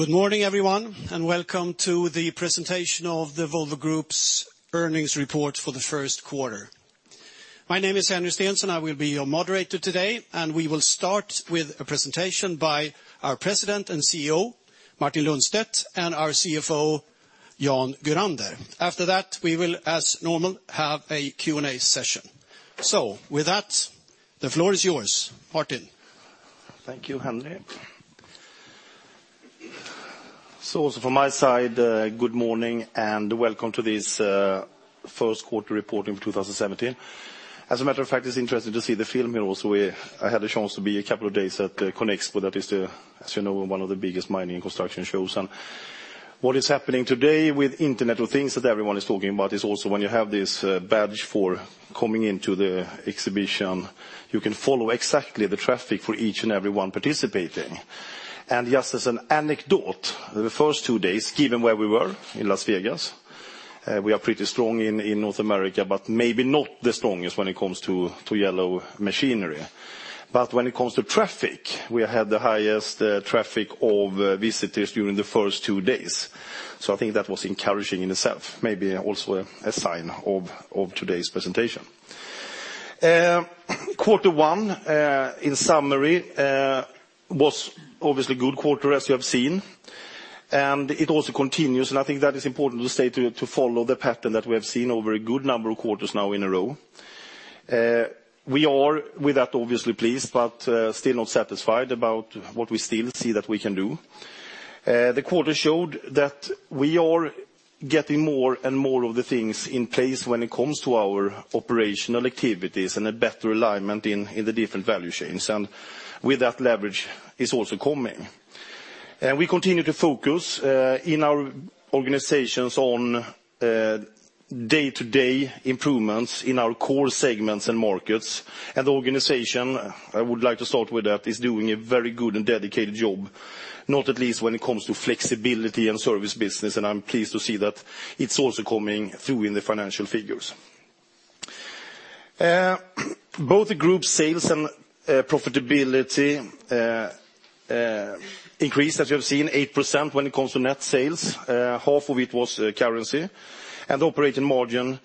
Good morning, everyone, and welcome to the presentation of the Volvo Group's earnings report for the first quarter. My name is Henry Stenson. I will be your moderator today, and we will start with a presentation by our President and CEO, Martin Lundstedt, and our CFO, Jan Gurander. After that, we will, as normal, have a Q&A session. With that, the floor is yours, Martin. Thank you, Henry. Also from my side, good morning and welcome to this first quarter reporting of 2017. As a matter of fact, it's interesting to see the film here also, where I had a chance to be a couple of days at Conexpo. That is, as you know, one of the biggest mining and construction shows. What is happening today with internet of things that everyone is talking about is also when you have this badge for coming into the exhibition, you can follow exactly the traffic for each and everyone participating. Just as an anecdote, the first two days, given where we were in Las Vegas, we are pretty strong in North America, but maybe not the strongest when it comes to yellow machinery. When it comes to traffic, we had the highest traffic of visitors during the first two days. I think that was encouraging in itself, maybe also a sign of today's presentation. Quarter one, in summary, was obviously a good quarter, as you have seen. It also continues, and I think that is important to state, to follow the pattern that we have seen over a good number of quarters now in a row. We are with that obviously pleased, but still not satisfied about what we still see that we can do. The quarter showed that we are getting more and more of the things in place when it comes to our operational activities and a better alignment in the different value chains. With that, leverage is also coming. We continue to focus in our organizations on day-to-day improvements in our core segments and markets. The organization, I would like to start with that, is doing a very good and dedicated job, not at least when it comes to flexibility and service business. I'm pleased to see that it's also coming through in the financial figures. Both the group sales and profitability increased, as you have seen, 8% when it comes to net sales. Half of it was currency. Operating margin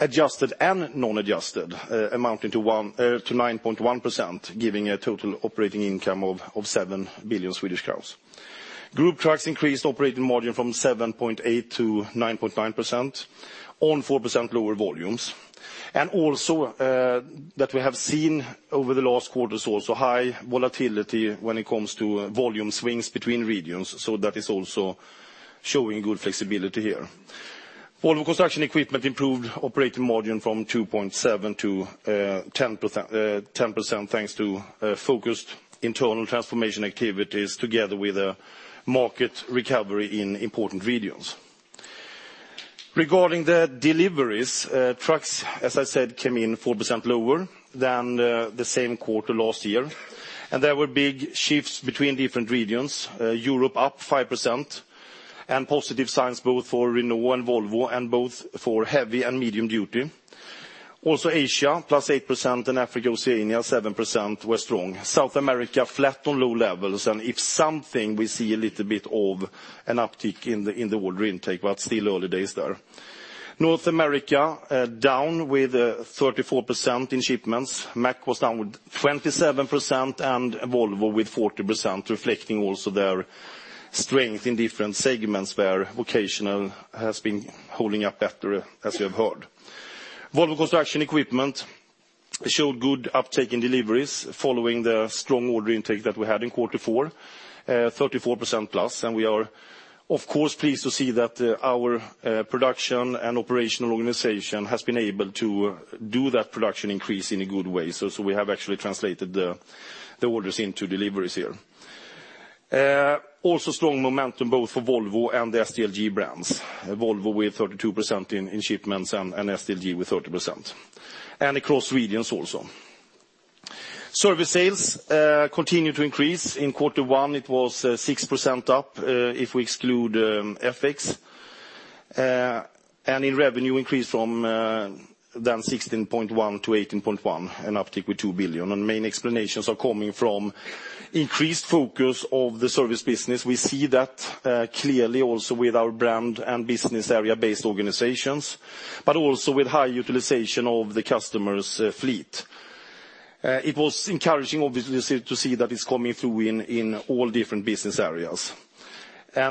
adjusted and non-adjusted, amounting to 9.1%, giving a total operating income of 7 billion Swedish crowns. Group Trucks increased operating margin from 7.8% to 9.9% on 4% lower volumes. Also that we have seen over the last quarters also high volatility when it comes to volume swings between regions. That is also showing good flexibility here. Volvo Construction Equipment improved operating margin from 2.7% to 10%, thanks to focused internal transformation activities together with a market recovery in important regions. Regarding the deliveries, trucks, as I said, came in 4% lower than the same quarter last year. There were big shifts between different regions. Europe up 5%. Positive signs both for Renault and Volvo and both for heavy and medium duty. Asia, plus 8%, and Africa, Oceania, 7%, were strong. South America flat on low levels. If something, we see a little bit of an uptick in the order intake, but still early days there. North America down with 34% in shipments. Mack was down with 27%, and Volvo with 40%, reflecting also their strength in different segments where vocational has been holding up better, as you have heard. Volvo Construction Equipment showed good uptake in deliveries following the strong order intake that we had in quarter 4, 34% plus. We are of course pleased to see that our production and operational organization has been able to do that production increase in a good way. We have actually translated the orders into deliveries here. Strong momentum both for Volvo and the SDLG brands. Volvo with 32% in shipments and SDLG with 30%. Across regions also. Service sales continued to increase. In quarter 1, it was 6% up, if we exclude FX. Revenue increased from 16.1 billion to 18.1 billion, an uptick with 2 billion. Main explanations are coming from increased focus of the service business. We see that clearly also with our brand and business area-based organizations, but also with high utilization of the customer's fleet. It was encouraging, obviously, to see that it's coming through in all different business areas.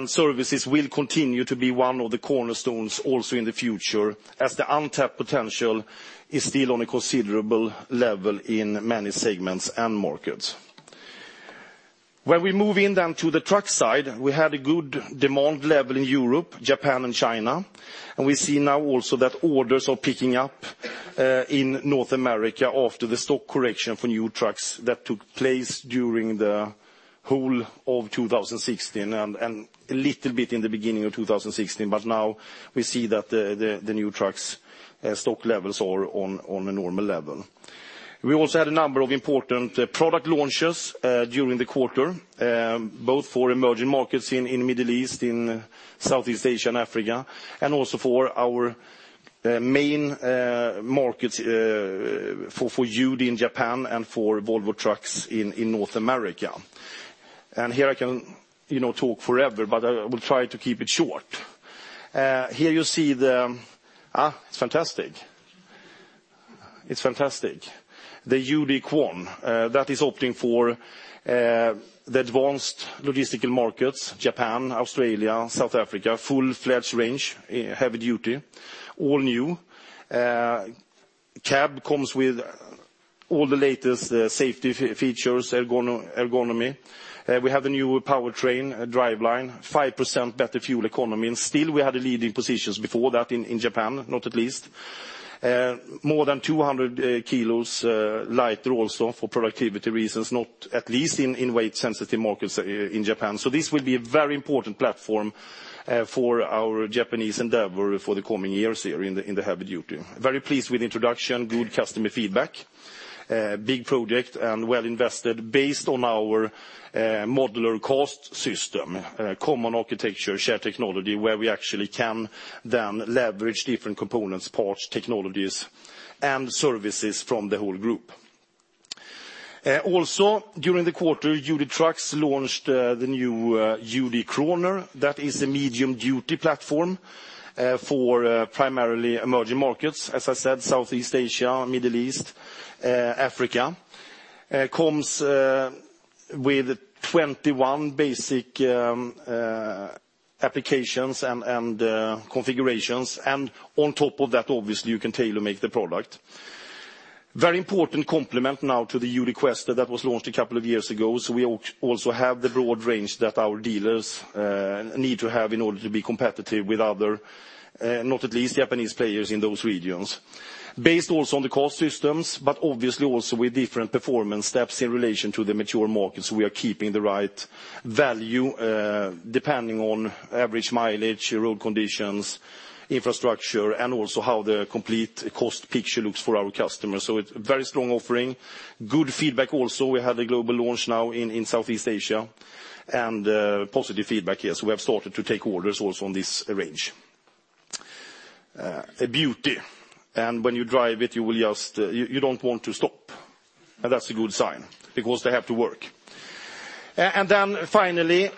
Services will continue to be one of the cornerstones also in the future, as the untapped potential is still on a considerable level in many segments and markets. When we move in then to the truck side, we had a good demand level in Europe, Japan, and China. We see now also that orders are picking up in North America after the stock correction for new trucks that took place during the whole of 2016 and a little bit in the beginning of 2016. Now we see that the new trucks stock levels are on a normal level. We also had a number of important product launches during the quarter, both for emerging markets in Middle East, in Southeast Asia and Africa, and also for our main markets for UD in Japan and for Volvo Trucks in North America. Here I can talk forever, but I will try to keep it short. Here you see the It's fantastic. It's fantastic. The UD Quon, that is opening for the advanced logistical markets, Japan, Australia, South Africa, full-fledged range, heavy duty, all new. Cab comes with all the latest safety features, ergonomy. We have a new powertrain, a driveline, 5% better fuel economy, and still we had leading positions before that in Japan, not at least. More than 200 kilos lighter also for productivity reasons, not at least in weight sensitive markets in Japan. This will be a very important platform for our Japanese endeavor for the coming years here in the heavy-duty. Very pleased with introduction, good customer feedback. Big project and well invested based on our modular cost system, common architecture, shared technology, where we actually can then leverage different components, parts, technologies, and services from the whole group. Also during the quarter, UD Trucks launched the new UD Croner. That is a medium-duty platform for primarily emerging markets. As I said, Southeast Asia, Middle East, Africa. Comes with 21 basic applications and configurations, and on top of that, obviously, you can tailor-make the product. Very important complement now to the UD Quester that was launched a couple of years ago. We also have the broad range that our dealers need to have in order to be competitive with other, not at least Japanese players in those regions. Based also on the cost systems, but obviously also with different performance steps in relation to the mature markets. We are keeping the right value, depending on average mileage, road conditions, infrastructure, and also how the complete cost picture looks for our customers. It's a very strong offering. Good feedback also. We have the global launch now in Southeast Asia, positive feedback here. We have started to take orders also on this range. A beauty, and when you drive it, you don't want to stop. That's a good sign because they have to work. Finally,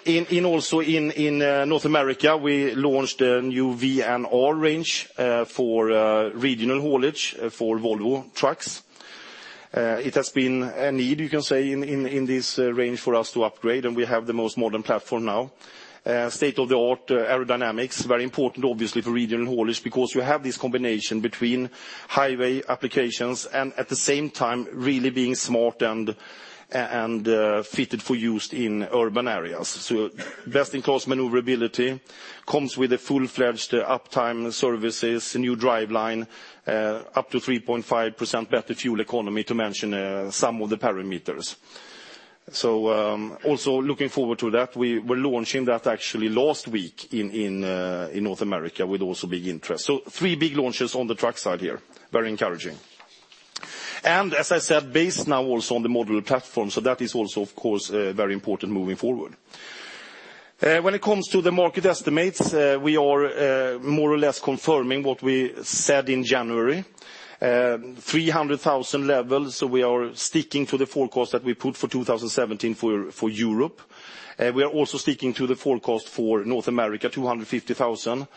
also in North America, we launched a new VNR range for regional haulage for Volvo Trucks. It has been a need, you can say, in this range for us to upgrade, and we have the most modern platform now. State-of-the-art aerodynamics, very important, obviously, for regional haulers because you have this combination between highway applications and at the same time really being smart and fitted for use in urban areas. Best-in-class maneuverability, comes with a full-fledged uptime services, new driveline, up to 3.5% better fuel economy, to mention some of the parameters. Also looking forward to that. We were launching that actually last week in North America with also big interest. Three big launches on the truck side here. Very encouraging. As I said, based now also on the modular platform, that is also of course very important moving forward. When it comes to the market estimates, we are more or less confirming what we said in January. 300,000 levels, we are sticking to the forecast that we put for 2017 for Europe. We are also sticking to the forecast for North America, 250,000.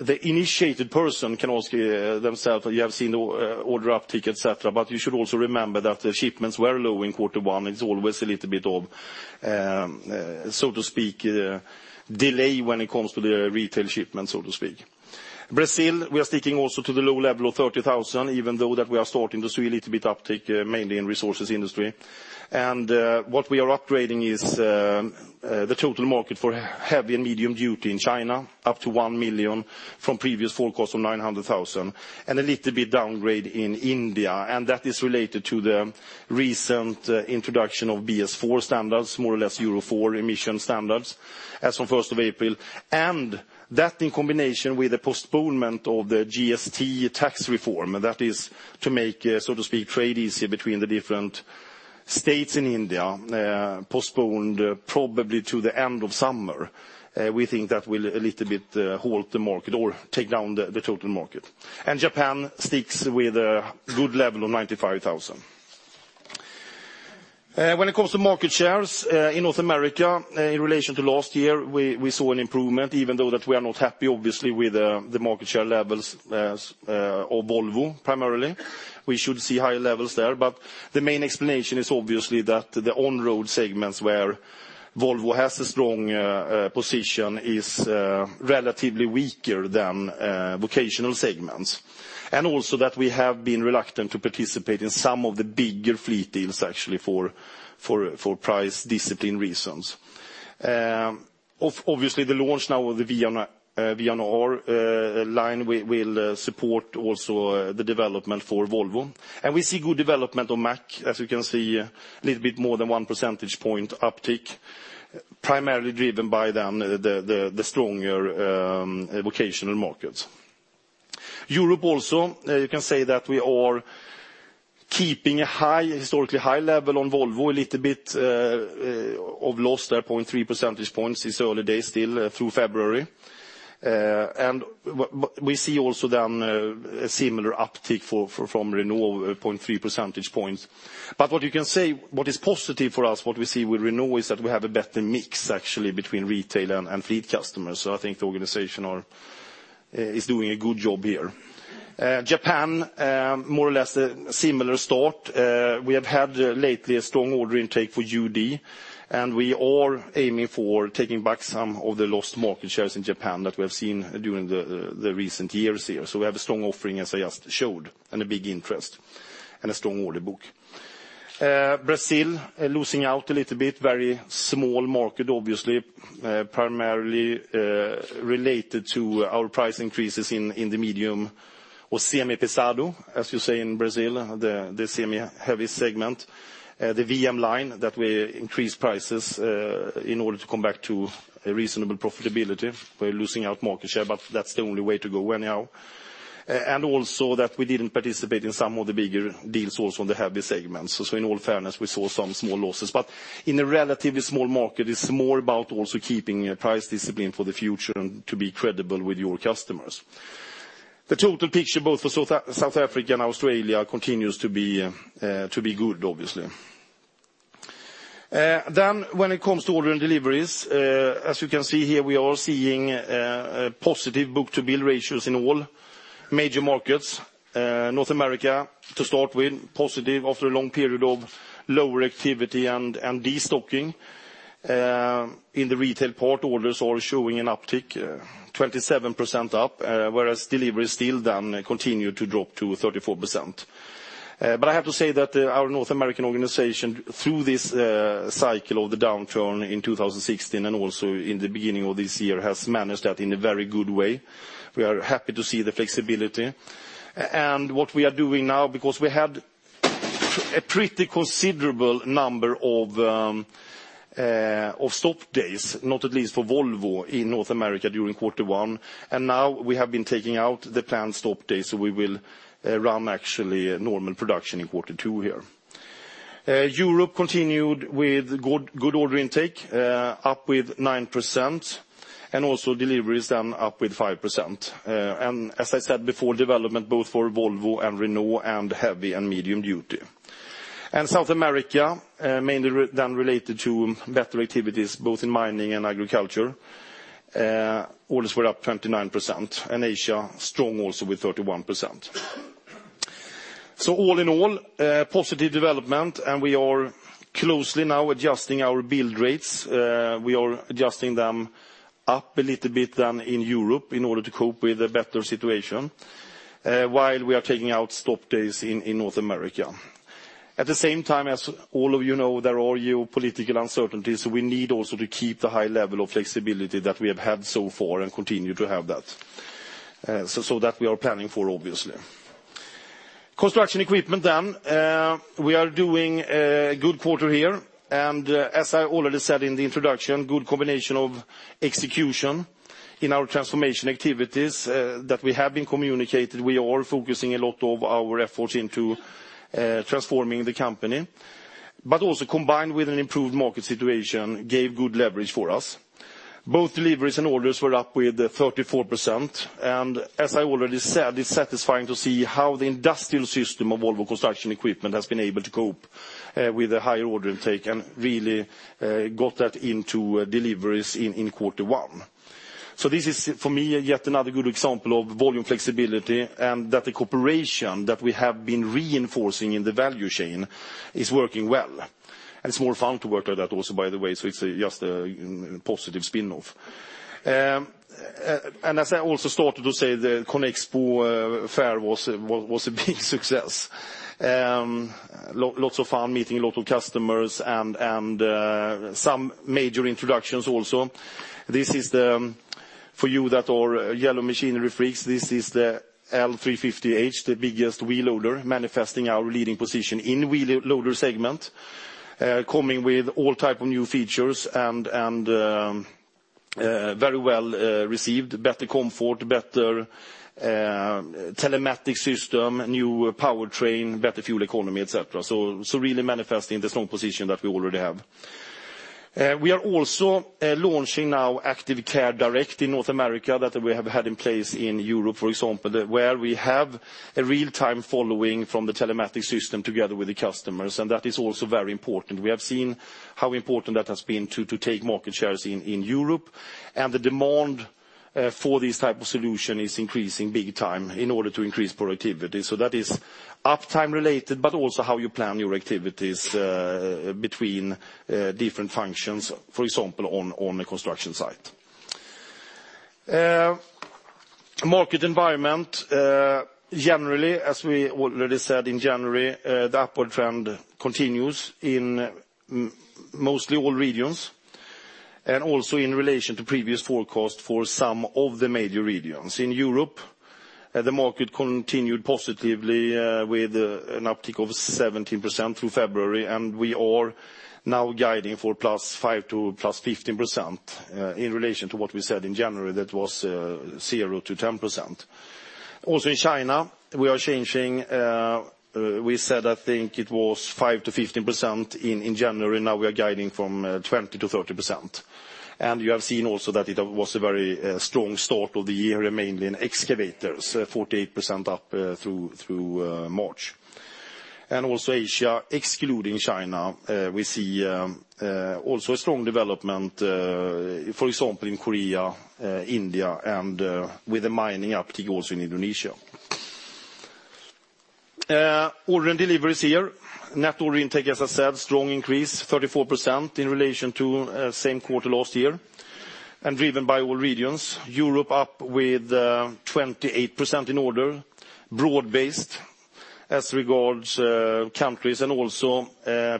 The initiated person can ask themselves, you have seen the order uptick, et cetera, but you should also remember that the shipments were low in quarter one. It's always a little bit of, so to speak, delay when it comes to the retail shipment. Brazil, we are sticking also to the low level of 30,000, even though that we are starting to see a little bit uptick mainly in resources industry. What we are upgrading is the total market for heavy- and medium-duty in China, up to 1 million from previous forecast of 900,000. A little bit downgrade in India, and that is related to the recent introduction of BS4 standards, more or less Euro 4 emission standards, as from 1st of April. That in combination with the postponement of the GST tax reform, that is to make, so to speak, trade easier between the different states in India, postponed probably to the end of summer. We think that will a little bit halt the market or take down the total market. Japan sticks with a good level of 95,000. When it comes to market shares in North America, in relation to last year, we saw an improvement, even though that we are not happy, obviously, with the market share levels of Volvo primarily. We should see higher levels there, but the main explanation is obviously that the on-road segments where Volvo has a strong position is relatively weaker than vocational segments. Also that we have been reluctant to participate in some of the bigger fleet deals, actually, for price discipline reasons. Obviously, the launch now of the VNR line will support also the development for Volvo. We see good development on Mack, as you can see, a little bit more than one percentage point uptick, primarily driven by then the stronger vocational markets. Europe also, you can say that we are keeping a historically high level on Volvo, a little bit of loss there, 0.3 percentage points since early days, still through February. We see also then a similar uptick from Renault, 0.3 percentage points. What you can say, what is positive for us, what we see with Renault is that we have a better mix, actually, between retail and fleet customers. I think the organization is doing a good job here. Japan, more or less a similar start. We have had lately a strong order intake for UD, we are aiming for taking back some of the lost market shares in Japan that we have seen during the recent years here. We have a strong offering, as I just showed, a big interest, and a strong order book. Brazil, losing out a little bit, very small market obviously, primarily related to our price increases in the medium or semi pesado, as you say in Brazil, the semi-heavy segment. The VM line that we increased prices in order to come back to a reasonable profitability. We're losing out market share, but that's the only way to go anyhow. Also that we didn't participate in some of the bigger deals also on the heavy segments. In all fairness, we saw some small losses. In a relatively small market, it's more about also keeping price discipline for the future and to be credible with your customers. The total picture, both for South Africa and Australia, continues to be good, obviously. When it comes to order and deliveries, as you can see here, we are seeing a positive book-to-bill ratios in all major markets. North America, to start with, positive after a long period of lower activity and de-stocking. In the retail part, orders are showing an uptick, 27% up, whereas delivery is still down, continue to drop to 34%. I have to say that our North American organization, through this cycle of the downturn in 2016 and also in the beginning of this year, has managed that in a very good way. We are happy to see the flexibility. What we are doing now, because we had a pretty considerable number of stop days, not least for Volvo in North America during quarter 1. Now we have been taking out the planned stop days, so we will run actually normal production in quarter 2 here. Europe continued with good order intake, up with 9%, and also deliveries up with 5%. As I said before, development both for Volvo and Renault and heavy and medium-duty. South America, mainly then related to better activities both in mining and agriculture, orders were up 29%, and Asia strong also with 31%. All in all, positive development, and we are closely now adjusting our build rates. We are adjusting them up a little bit then in Europe in order to cope with a better situation, while we are taking out stop days in North America. At the same time, as all of you know, there are geopolitical uncertainties. We need also to keep the high level of flexibility that we have had so far and continue to have that. That we are planning for, obviously. Construction equipment. We are doing a good quarter here. As I already said in the introduction, good combination of execution in our transformation activities that we have been communicating. We are focusing a lot of our efforts into transforming the company. But also combined with an improved market situation, gave good leverage for us. Both deliveries and orders were up with 34%. As I already said, it is satisfying to see how the industrial system of Volvo Construction Equipment has been able to cope with a higher order intake and really got that into deliveries in quarter 1. This is, for me, yet another good example of volume flexibility and that the cooperation that we have been reinforcing in the value chain is working well. It is more fun to work like that also, by the way, so it is just a positive spin-off. As I also started to say, the Conexpo fair was a big success. Lots of fun meeting a lot of customers and some major introductions also. This is, for you that are yellow machinery freaks, this is the L350H, the biggest wheel loader, manifesting our leading position in wheel loader segment coming with all type of new features and very well received. Better comfort, better telematics system, new powertrain, better fuel economy, et cetera. Really manifesting the strong position that we already have. We are also launching now ActiveCare Direct in North America that we have had in place in Europe, for example, where we have a real-time following from the telematics system together with the customers, and that is also very important. We have seen how important that has been to take market shares in Europe, and the demand for this type of solution is increasing big time in order to increase productivity. That is uptime-related, but also how you plan your activities between different functions, for example, on a construction site. Market environment. Generally, as we already said in January, the upward trend continues in mostly all regions, and also in relation to previous forecast for some of the major regions. In Europe, the market continued positively with an uptick of 17% through February, we are now guiding for +5% to +15% in relation to what we said in January, that was 0%-10%. In China, we are changing. We said, I think it was 5%-15% in January. Now we are guiding from 20%-30%. You have seen also that it was a very strong start of the year mainly in excavators, 48% up through March. Asia, excluding China, we see also a strong development, for example, in Korea, India, and with the mining uptick also in Indonesia. Order and deliveries here. Net order intake, as I said, strong increase, 34% in relation to same quarter last year, driven by all regions. Europe up with 28% in order, broad-based as regards countries,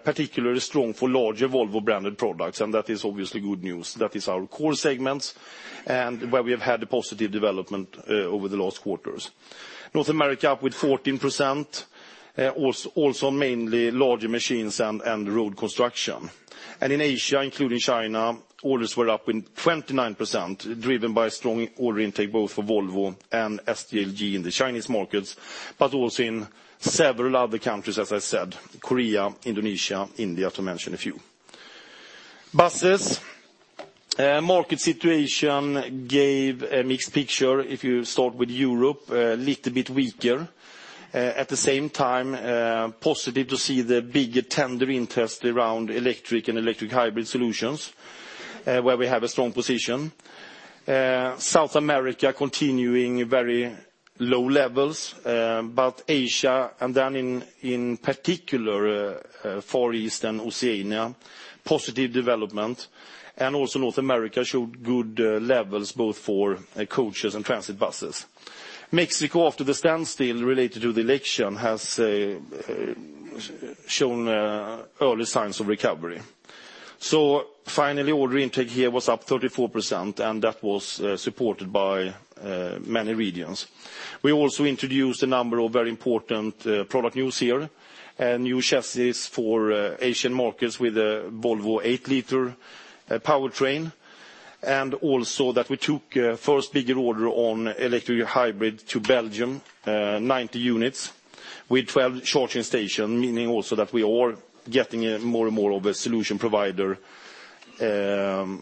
particularly strong for larger Volvo-branded products. That is obviously good news. That is our core segments and where we have had a positive development over the last quarters. North America up with 14%, mainly larger machines and road construction. In Asia, including China, orders were up 29%, driven by strong order intake both for Volvo and SDLG in the Chinese markets, but also in several other countries, as I said, Korea, Indonesia, India, to mention a few. Buses. Market situation gave a mixed picture. If you start with Europe, a little bit weaker. At the same time, positive to see the bigger tender interest around electric and electric hybrid solutions, where we have a strong position. South America continuing very low levels, Asia, then in particular, Far East and Oceania, positive development, North America showed good levels both for coaches and transit buses. Mexico, after the standstill related to the election, has shown early signs of recovery. Finally, order intake here was up 34%, that was supported by many regions. We also introduced a number of very important product news here. A new chassis for Asian markets with a Volvo 8-liter powertrain, that we took first bigger order on electric hybrid to Belgium, 90 units, with 12 charging station, meaning that we are getting more and more of a solution provider player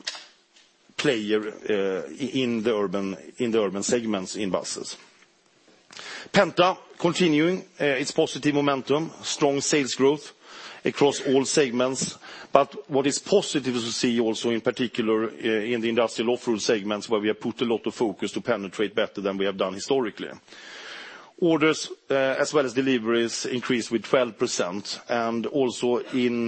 in the urban segments in buses. Penta continuing its positive momentum. Strong sales growth across all segments. What is positive is to see also in particular in the industrial off-road segments, where we have put a lot of focus to penetrate better than we have done historically. Orders, as well as deliveries, increased with 12%. In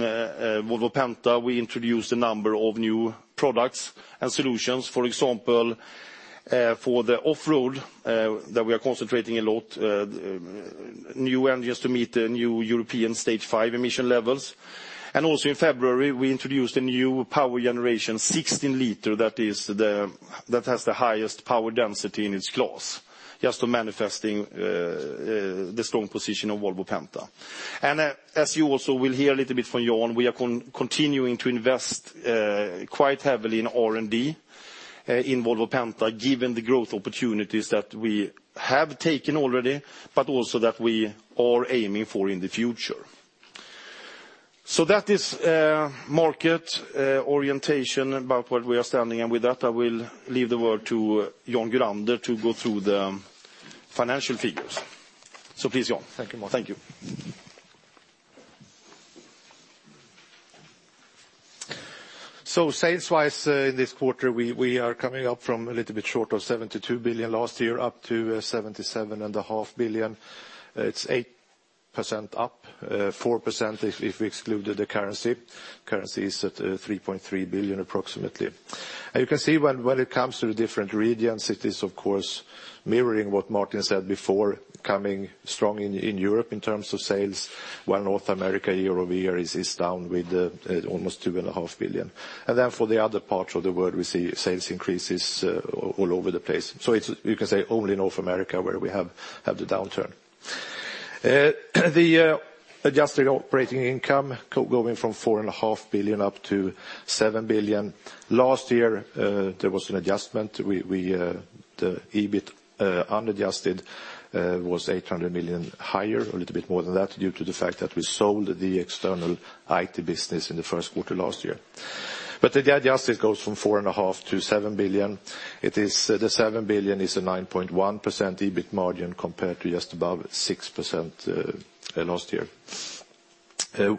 Volvo Penta, we introduced a number of new products and solutions. For example, for the off-road that we are concentrating a lot, new engines to meet the new European Stage V emission levels. In February, we introduced a new power generation, 16 liter, that has the highest power density in its class, just to manifesting the strong position of Volvo Penta. As you also will hear a little bit from Jan, we are continuing to invest quite heavily in R&D in Volvo Penta, given the growth opportunities that we have taken already, but also that we are aiming for in the future. That is market orientation about where we are standing. With that, I will leave the word to Jan Gurander to go through the financial figures. Please, Jan. Thank you, Martin. Thank you. Sales-wise in this quarter, we are coming up from a little bit short of 72 billion last year, up to 77.5 billion. It's 8% up, 4% if we excluded the currency. Currency is at 3.3 billion approximately. You can see when it comes to the different regions, it is of course mirroring what Martin said before, coming strong in Europe in terms of sales, while North America year-over-year is down with almost 2.5 billion. For the other parts of the world, we see sales increases all over the place. You can say only North America where we have the downturn. The adjusted operating income going from 4.5 billion up to 7 billion. Last year, there was an adjustment. The EBIT unadjusted was 800 million higher, a little bit more than that, due to the fact that we sold the external IT business in the first quarter last year. The adjusted goes from 4.5 billion to 7 billion. The 7 billion is a 9.1% EBIT margin compared to just above 6% last year.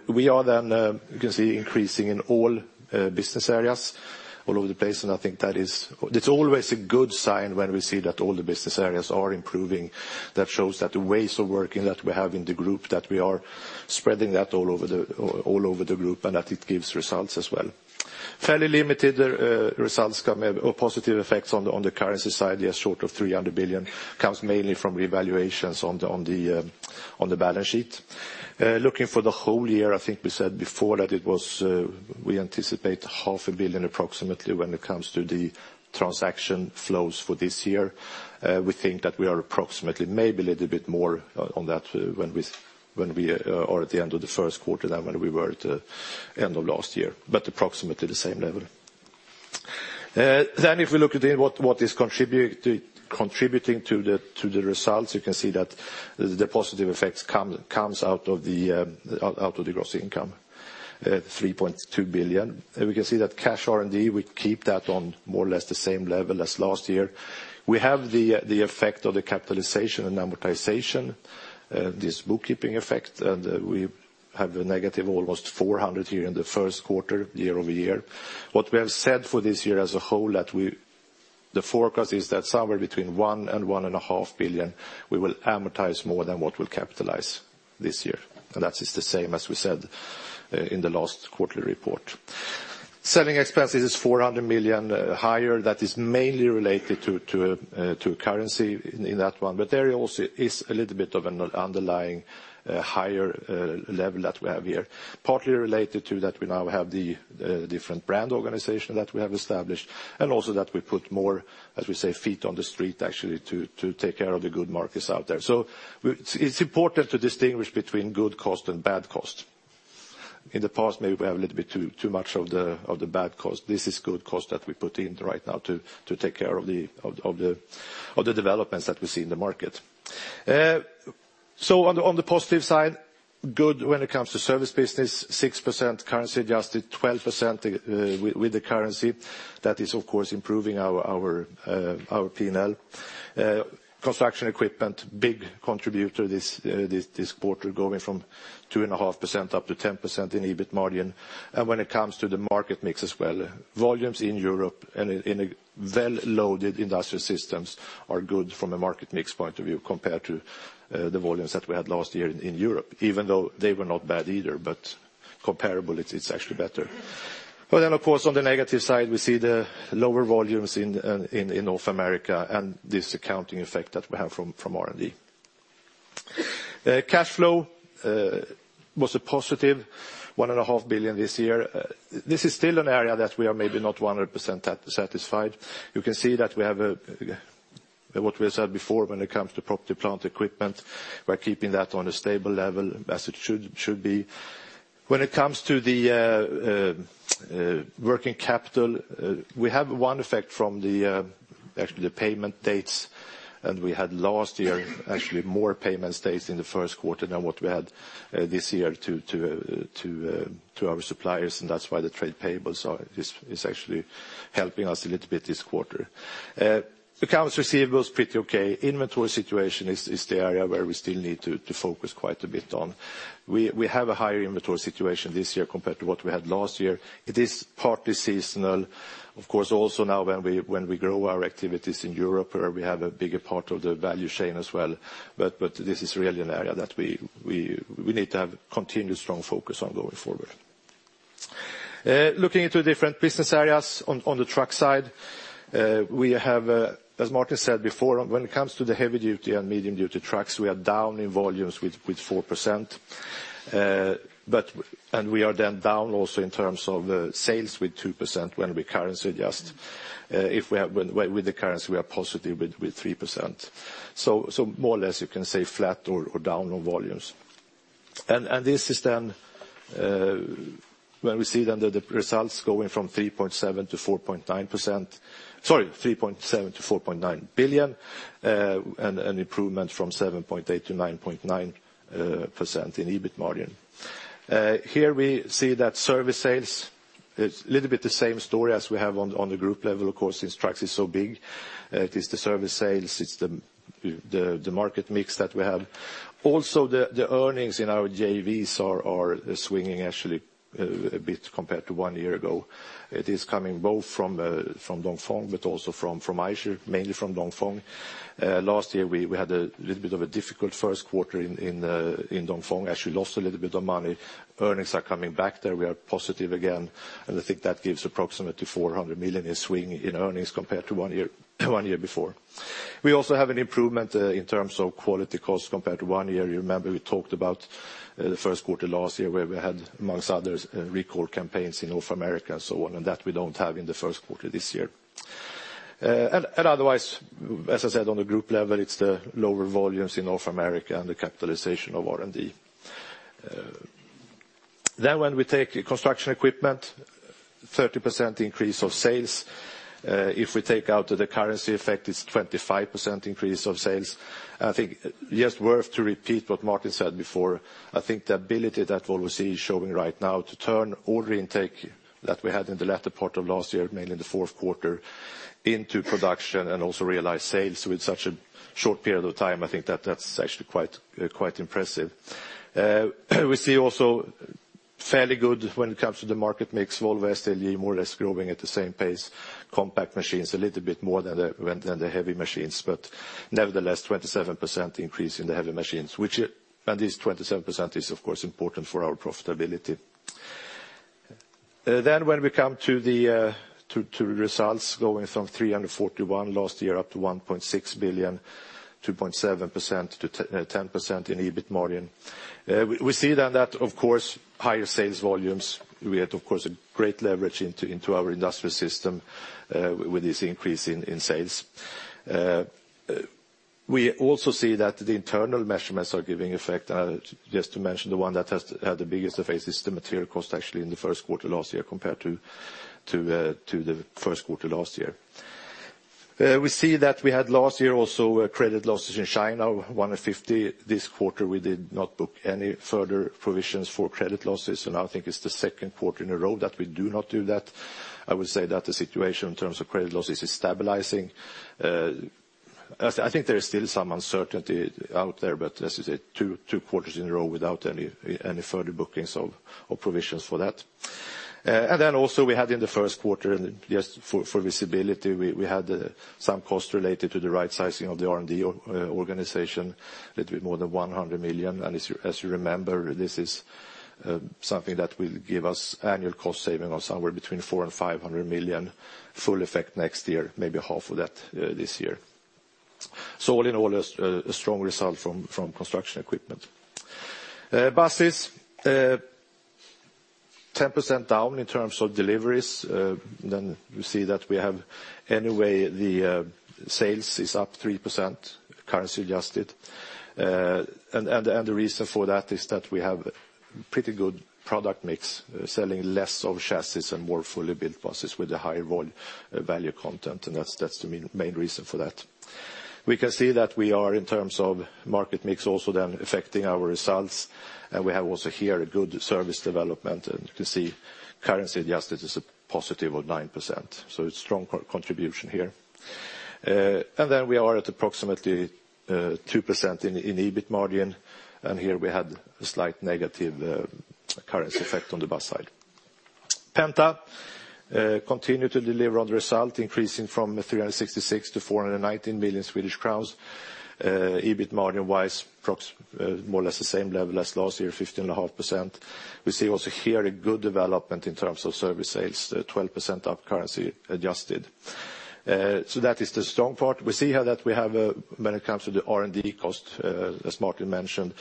We are, you can see, increasing in all business areas all over the place. I think that is always a good sign when we see that all the business areas are improving. That shows that the ways of working that we have in the Group, that we are spreading that all over the Group, that it gives results as well. Fairly limited results come, or positive effects on the currency side, yes, short of 300 billion, comes mainly from revaluations on the balance sheet. Looking for the whole year, I think we said before that we anticipate half a billion approximately when it comes to the transaction flows for this year. We think that we are approximately maybe a little bit more on that when we are at the end of the first quarter than when we were at the end of last year, but approximately the same level. If we look at what is contributing to the results, you can see that the positive effects comes out of the gross income at 3.2 billion. We can see that cash R&D, we keep that on more or less the same level as last year. We have the effect of the capitalization and amortization, this bookkeeping effect. We have a negative almost 400 million here in the first quarter year-over-year. What we have said for this year as a whole, the forecast is that somewhere between 1 billion-1.5 billion, we will amortize more than what we will capitalize this year. That is the same as we said in the last quarterly report. Selling expenses is 400 million higher. That is mainly related to currency in that one. There also is a little bit of an underlying higher level that we have here, partly related to that we now have the different brand organization that we have established, also that we put more, as we say, feet on the street, actually, to take care of the good markets out there. It is important to distinguish between good cost and bad cost. In the past, maybe we have a little bit too much of the bad cost. This is good cost that we put in right now to take care of the developments that we see in the market. On the positive side, good when it comes to service business, 6% currency adjusted, 12% with the currency. That is, of course, improving our P&L. Construction Equipment, big contributor this quarter, going from 2.5% up to 10% in EBIT margin. When it comes to the market mix as well, volumes in Europe and in a well-loaded industrial systems are good from a market mix point of view compared to the volumes that we had last year in Europe. Even though they were not bad either, comparable, it is actually better. Of course, on the negative side, we see the lower volumes in North America and this accounting effect that we have from R&D. Cash flow was a positive 1.5 billion this year. This is still an area that we are maybe not 100% satisfied. You can see that we have what we have said before when it comes to property, plant, equipment. We're keeping that on a stable level as it should be. When it comes to the working capital, we have one effect from the actual payment dates. We had last year, actually, more payment dates in the first quarter than what we had this year to our suppliers, and that's why the trade payables is actually helping us a little bit this quarter. Accounts receivable is pretty okay. Inventory situation is the area where we still need to focus quite a bit on. We have a higher inventory situation this year compared to what we had last year. It is partly seasonal. Of course, also now when we grow our activities in Europe, where we have a bigger part of the value chain as well. This is really an area that we need to have continuous strong focus on going forward. Looking into different business areas, on the truck side, as Martin said before, when it comes to the heavy-duty and medium-duty trucks, we are down in volumes with 4%. We are then down also in terms of sales with 2% when we currency adjust. With the currency, we are positive with 3%. More or less, you can say flat or down on volumes. This is then when we see then the results going from 3.7 billion to 4.9 billion, an improvement from 7.8%-9.9% in EBIT margin. Here we see that service sales is a little bit the same story as we have on the group level, of course, since trucks is so big. It is the service sales. It's the market mix that we have. Also, the earnings in our JVs are swinging actually a bit compared to one year ago. It is coming both from Dongfeng, but also from Eicher, mainly from Dongfeng. Last year, we had a little bit of a difficult first quarter in Dongfeng. Actually lost a little bit of money. Earnings are coming back there. We are positive again, and I think that gives approximately 400 million in swing in earnings compared to one year before. We also have an improvement in terms of quality cost compared to one year. You remember we talked about the first quarter last year where we had, amongst others, recall campaigns in North America and so on, and that we don't have in the first quarter this year. Otherwise, as I said, on the group level, it's the lower volumes in North America and the capitalization of R&D. When we take construction equipment, 30% increase of sales. If we take out the currency effect, it's 25% increase of sales. I think just worth to repeat what Martin said before. I think the ability that Volvo CE is showing right now to turn all the intake that we had in the latter part of last year, mainly in the fourth quarter, into production and also realize sales with such a short period of time, I think that's actually quite impressive. We see also fairly good when it comes to the market mix, Volvo, SDLG more or less growing at the same pace. Compact machines a little bit more than the heavy machines, but nevertheless, 27% increase in the heavy machines. This 27% is, of course, important for our profitability. Then when we come to results going from 341 million last year up to 1.6 billion, 2.7% to 10% in EBIT margin. We see that, of course, higher sales volumes. We had, of course, a great leverage into our industrial system with this increase in sales. We also see that the internal measurements are giving effect. Just to mention, the one that has had the biggest effect is the material cost, actually, in the first quarter last year compared to the first quarter last year. We see that we had last year also credit losses in China of 150 million. This quarter, we did not book any further provisions for credit losses, and I think it's the second quarter in a row that we do not do that. I would say that the situation in terms of credit losses is stabilizing. I think there is still some uncertainty out there, but as I said, two quarters in a row without any further bookings of provisions for that. Also we had in the first quarter, just for visibility, we had some costs related to the right sizing of the R&D organization, a little bit more than 100 million. As you remember, this is something that will give us annual cost saving of somewhere between 400 million and 500 million. Full effect next year, maybe half of that this year. All in all, a strong result from construction equipment. Buses, 10% down in terms of deliveries. Then we see that we have anyway, the sales is up 3%, currency adjusted. The reason for that is that we have pretty good product mix, selling less of chassis and more fully built buses with a higher value content. That's the main reason for that. We can see that we are, in terms of market mix also then affecting our results. We have also here a good service development, and you can see currency adjusted is a positive of 9%. So it's strong contribution here. Then we are at approximately 2% in EBIT margin, and here we had a slight negative currency effect on the bus side. Volvo Penta continue to deliver on result, increasing from 366 million to 419 million Swedish crowns. EBIT margin wise, more or less the same level as last year, 15.5%. We see also here a good development in terms of service sales, 12% up currency adjusted. So that is the strong part. We see here that we have, when it comes to the R&D cost, as Martin mentioned,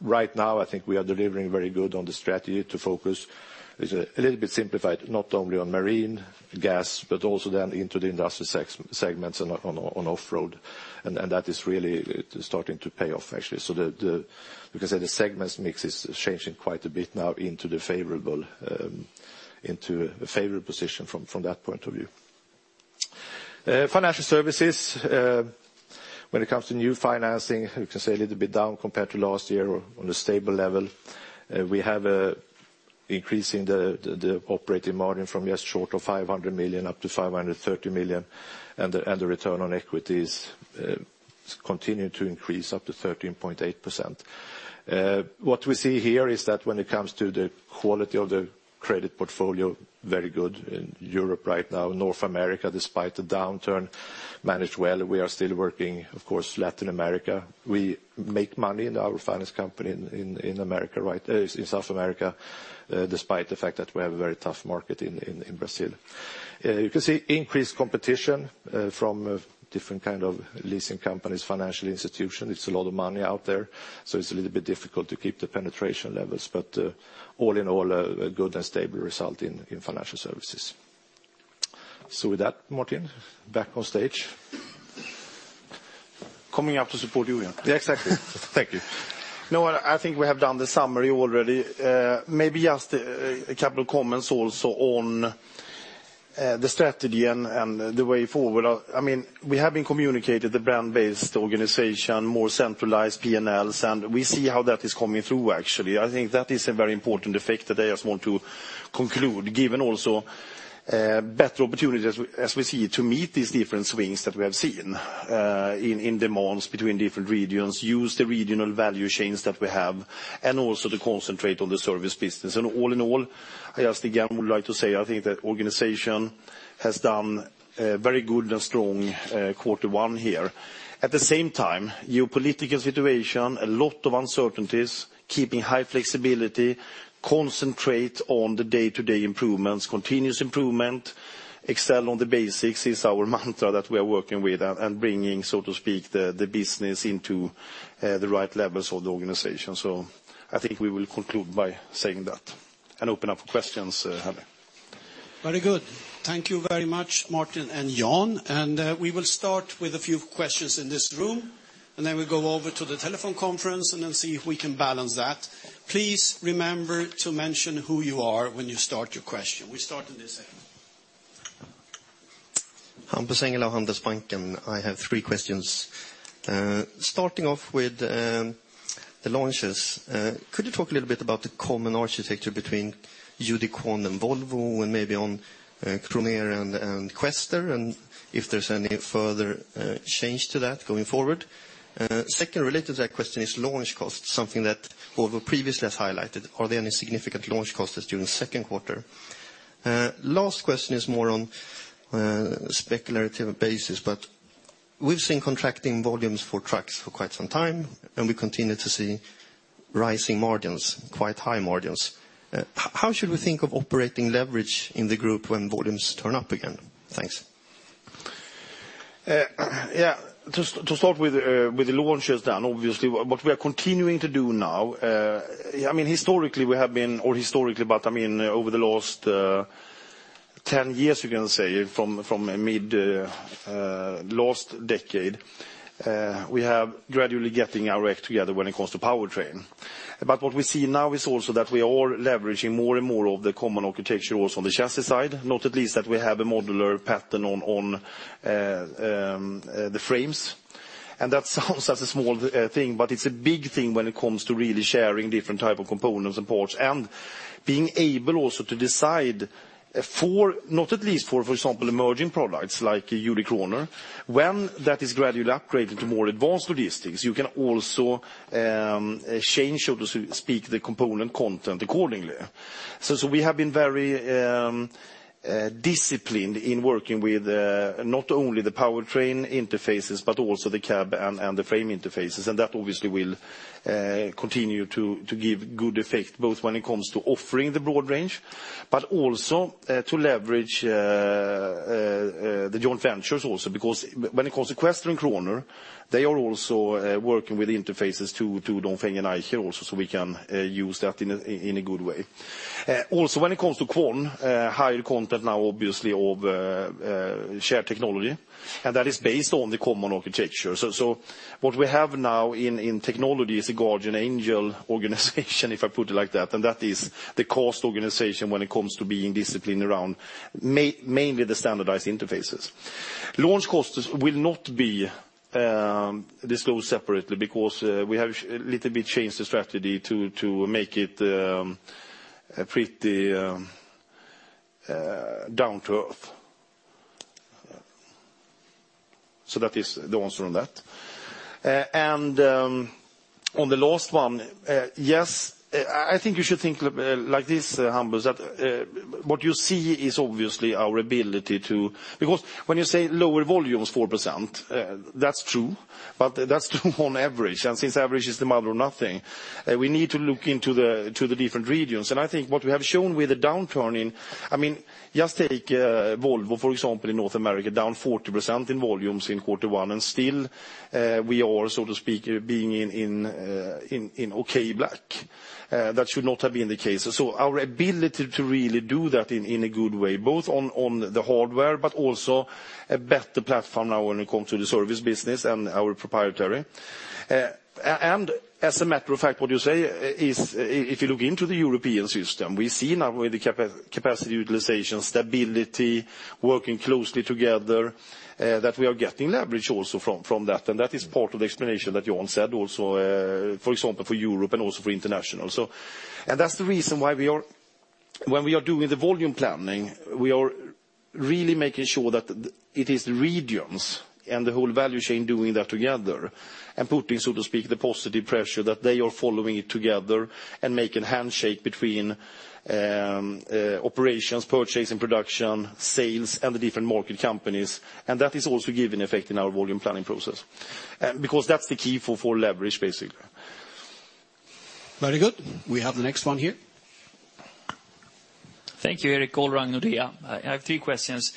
right now, I think we are delivering very good on the strategy to focus. It's a little bit simplified, not only on marine gas, but also then into the industrial segments on off-road. That is really starting to pay off, actually. So we can say the segments mix is changing quite a bit now into a favorable position from that point of view. Financial services, when it comes to new financing, you can say a little bit down compared to last year or on a stable level. We have increase in the operating margin from just short of 500 million up to 530 million, and the return on equity continue to increase up to 13.8%. What we see here is that when it comes to the quality of the credit portfolio, very good in Europe right now. North America, despite the downturn, managed well. We are still working, of course, Latin America. We make money in our finance company in South America, despite the fact that we have a very tough market in Brazil. You can see increased competition from different kind of leasing companies, financial institutions. It's a lot of money out there, so it's a little bit difficult to keep the penetration levels. All in all, a good and stable result in financial services. With that, Martin, back on stage. Coming up to support you again. Yeah, exactly. Thank you. I think we have done the summary already. Maybe just a couple of comments also on the strategy and the way forward. We have been communicating the brand-based organization, more centralized P&Ls, and we see how that is coming through, actually. I think that is a very important effect that I just want to conclude. Given also better opportunities as we see to meet these different swings that we have seen in demands between different regions, use the regional value chains that we have, and also to concentrate on the service business. All in all, I just again would like to say, I think the organization has done a very good and strong quarter one here. At the same time, geopolitical situation, a lot of uncertainties, keeping high flexibility, concentrate on the day-to-day improvements, continuous improvement, excel on the basics is our mantra that we are working with and bringing, so to speak, the business into the right levels of the organization. I think we will conclude by saying that, and open up for questions, Henry. Very good. Thank you very much, Martin and Jan. We will start with a few questions in this room, we'll go over to the telephone conference, see if we can balance that. Please remember to mention who you are when you start your question. We start in this end. Hampus Engellau, Handelsbanken. I have three questions. Starting off with the launches, could you talk a little bit about the common architecture between UD Trucks and Volvo, and maybe on Croner and Quester, if there's any further change to that going forward? Second, related to that question is launch cost, something that Volvo previously has highlighted. Are there any significant launch costs during the second quarter? Last question is more on speculative basis, but we've seen contracting volumes for trucks for quite some time, we continue to see rising margins, quite high margins. How should we think of operating leverage in the group when volumes turn up again? Thanks. Yeah. To start with the launches, obviously what we are continuing to do now, historically we have been, but over the last 10 years, you can say, from mid-last decade, we have gradually getting our act together when it comes to powertrain. What we see now is also that we are leveraging more and more of the common architecture also on the chassis side. Not least that we have a modular pattern on the frames. That sounds like a small thing, but it's a big thing when it comes to really sharing different type of components and parts and being able also to decide, not least for example, emerging products like UD Croner. When that is gradually upgraded to more advanced logistics, you can also change, so to speak, the component content accordingly. We have been very disciplined in working with not only the powertrain interfaces, but also the cab and the frame interfaces. That obviously will continue to give good effect, both when it comes to offering the broad range, but also to leverage the joint ventures also, because when it comes to Quester and Croner, they are also working with interfaces to Dongfeng and Aiways also, so we can use that in a good way. When it comes to Quon, higher content now obviously of shared technology, and that is based on the common architecture. What we have now in technology is a guardian angel organization if I put it like that, and that is the cost organization when it comes to being disciplined around mainly the standardized interfaces. Launch costs will not be disclosed separately because we have a little bit changed the strategy to make it pretty down to earth. That is the answer on that. On the last one, yes, I think you should think like this, Humbert, that what you see is obviously our ability to When you say lower volumes 4%, that's true, but that's true on average, and since average is the mother of nothing, we need to look into the different regions. I think what we have shown with the downturn in, just take Volvo, for example, in North America, down 40% in volumes in quarter one, and still we are, so to speak, being in okay black. That should not have been the case. Our ability to really do that in a good way, both on the hardware, but also a better platform now when it comes to the service business and our proprietary. As a matter of fact, what you say is, if you look into the European system, we see now with the capacity utilization, stability, working closely together, that we are getting leverage also from that, and that is part of the explanation that Jan said also, for example, for Europe and also for international. That's the reason why when we are doing the volume planning, we are really making sure that it is the regions and the whole value chain doing that together and putting, so to speak, the positive pressure that they are following it together and making handshake between operations, purchasing, production, sales, and the different market companies. That is also giving effect in our volume planning process. That's the key for leverage, basically. Very good. We have the next one here. Thank you, Erik. Olav, Nordea. I have three questions.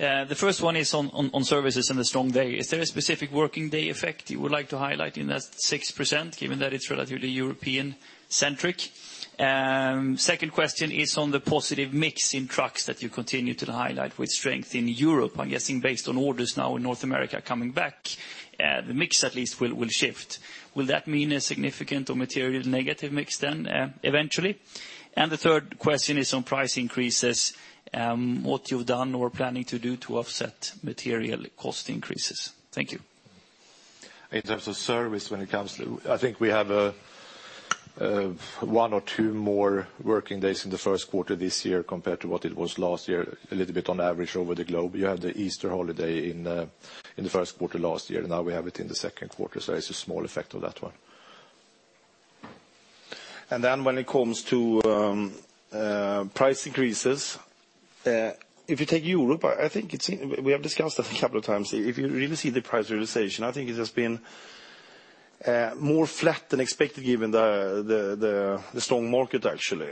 The first one is on services and the strong day. Is there a specific working day effect you would like to highlight in that 6%, given that it's relatively European-centric? Second question is on the positive mix in trucks that you continue to highlight with strength in Europe. I'm guessing based on orders now in North America coming back, the mix at least will shift. Will that mean a significant or material negative mix eventually? The third question is on price increases, what you've done or planning to do to offset material cost increases. Thank you. In terms of service when it comes to, I think we have one or two more working days in the first quarter this year compared to what it was last year, a little bit on average over the globe. You had the Easter holiday in the first quarter last year. Now we have it in the second quarter, so it's a small effect of that one. When it comes to price increases, if you take Europe, I think we have discussed that a couple of times. If you really see the price realization, I think it has been more flat than expected given the strong market, actually.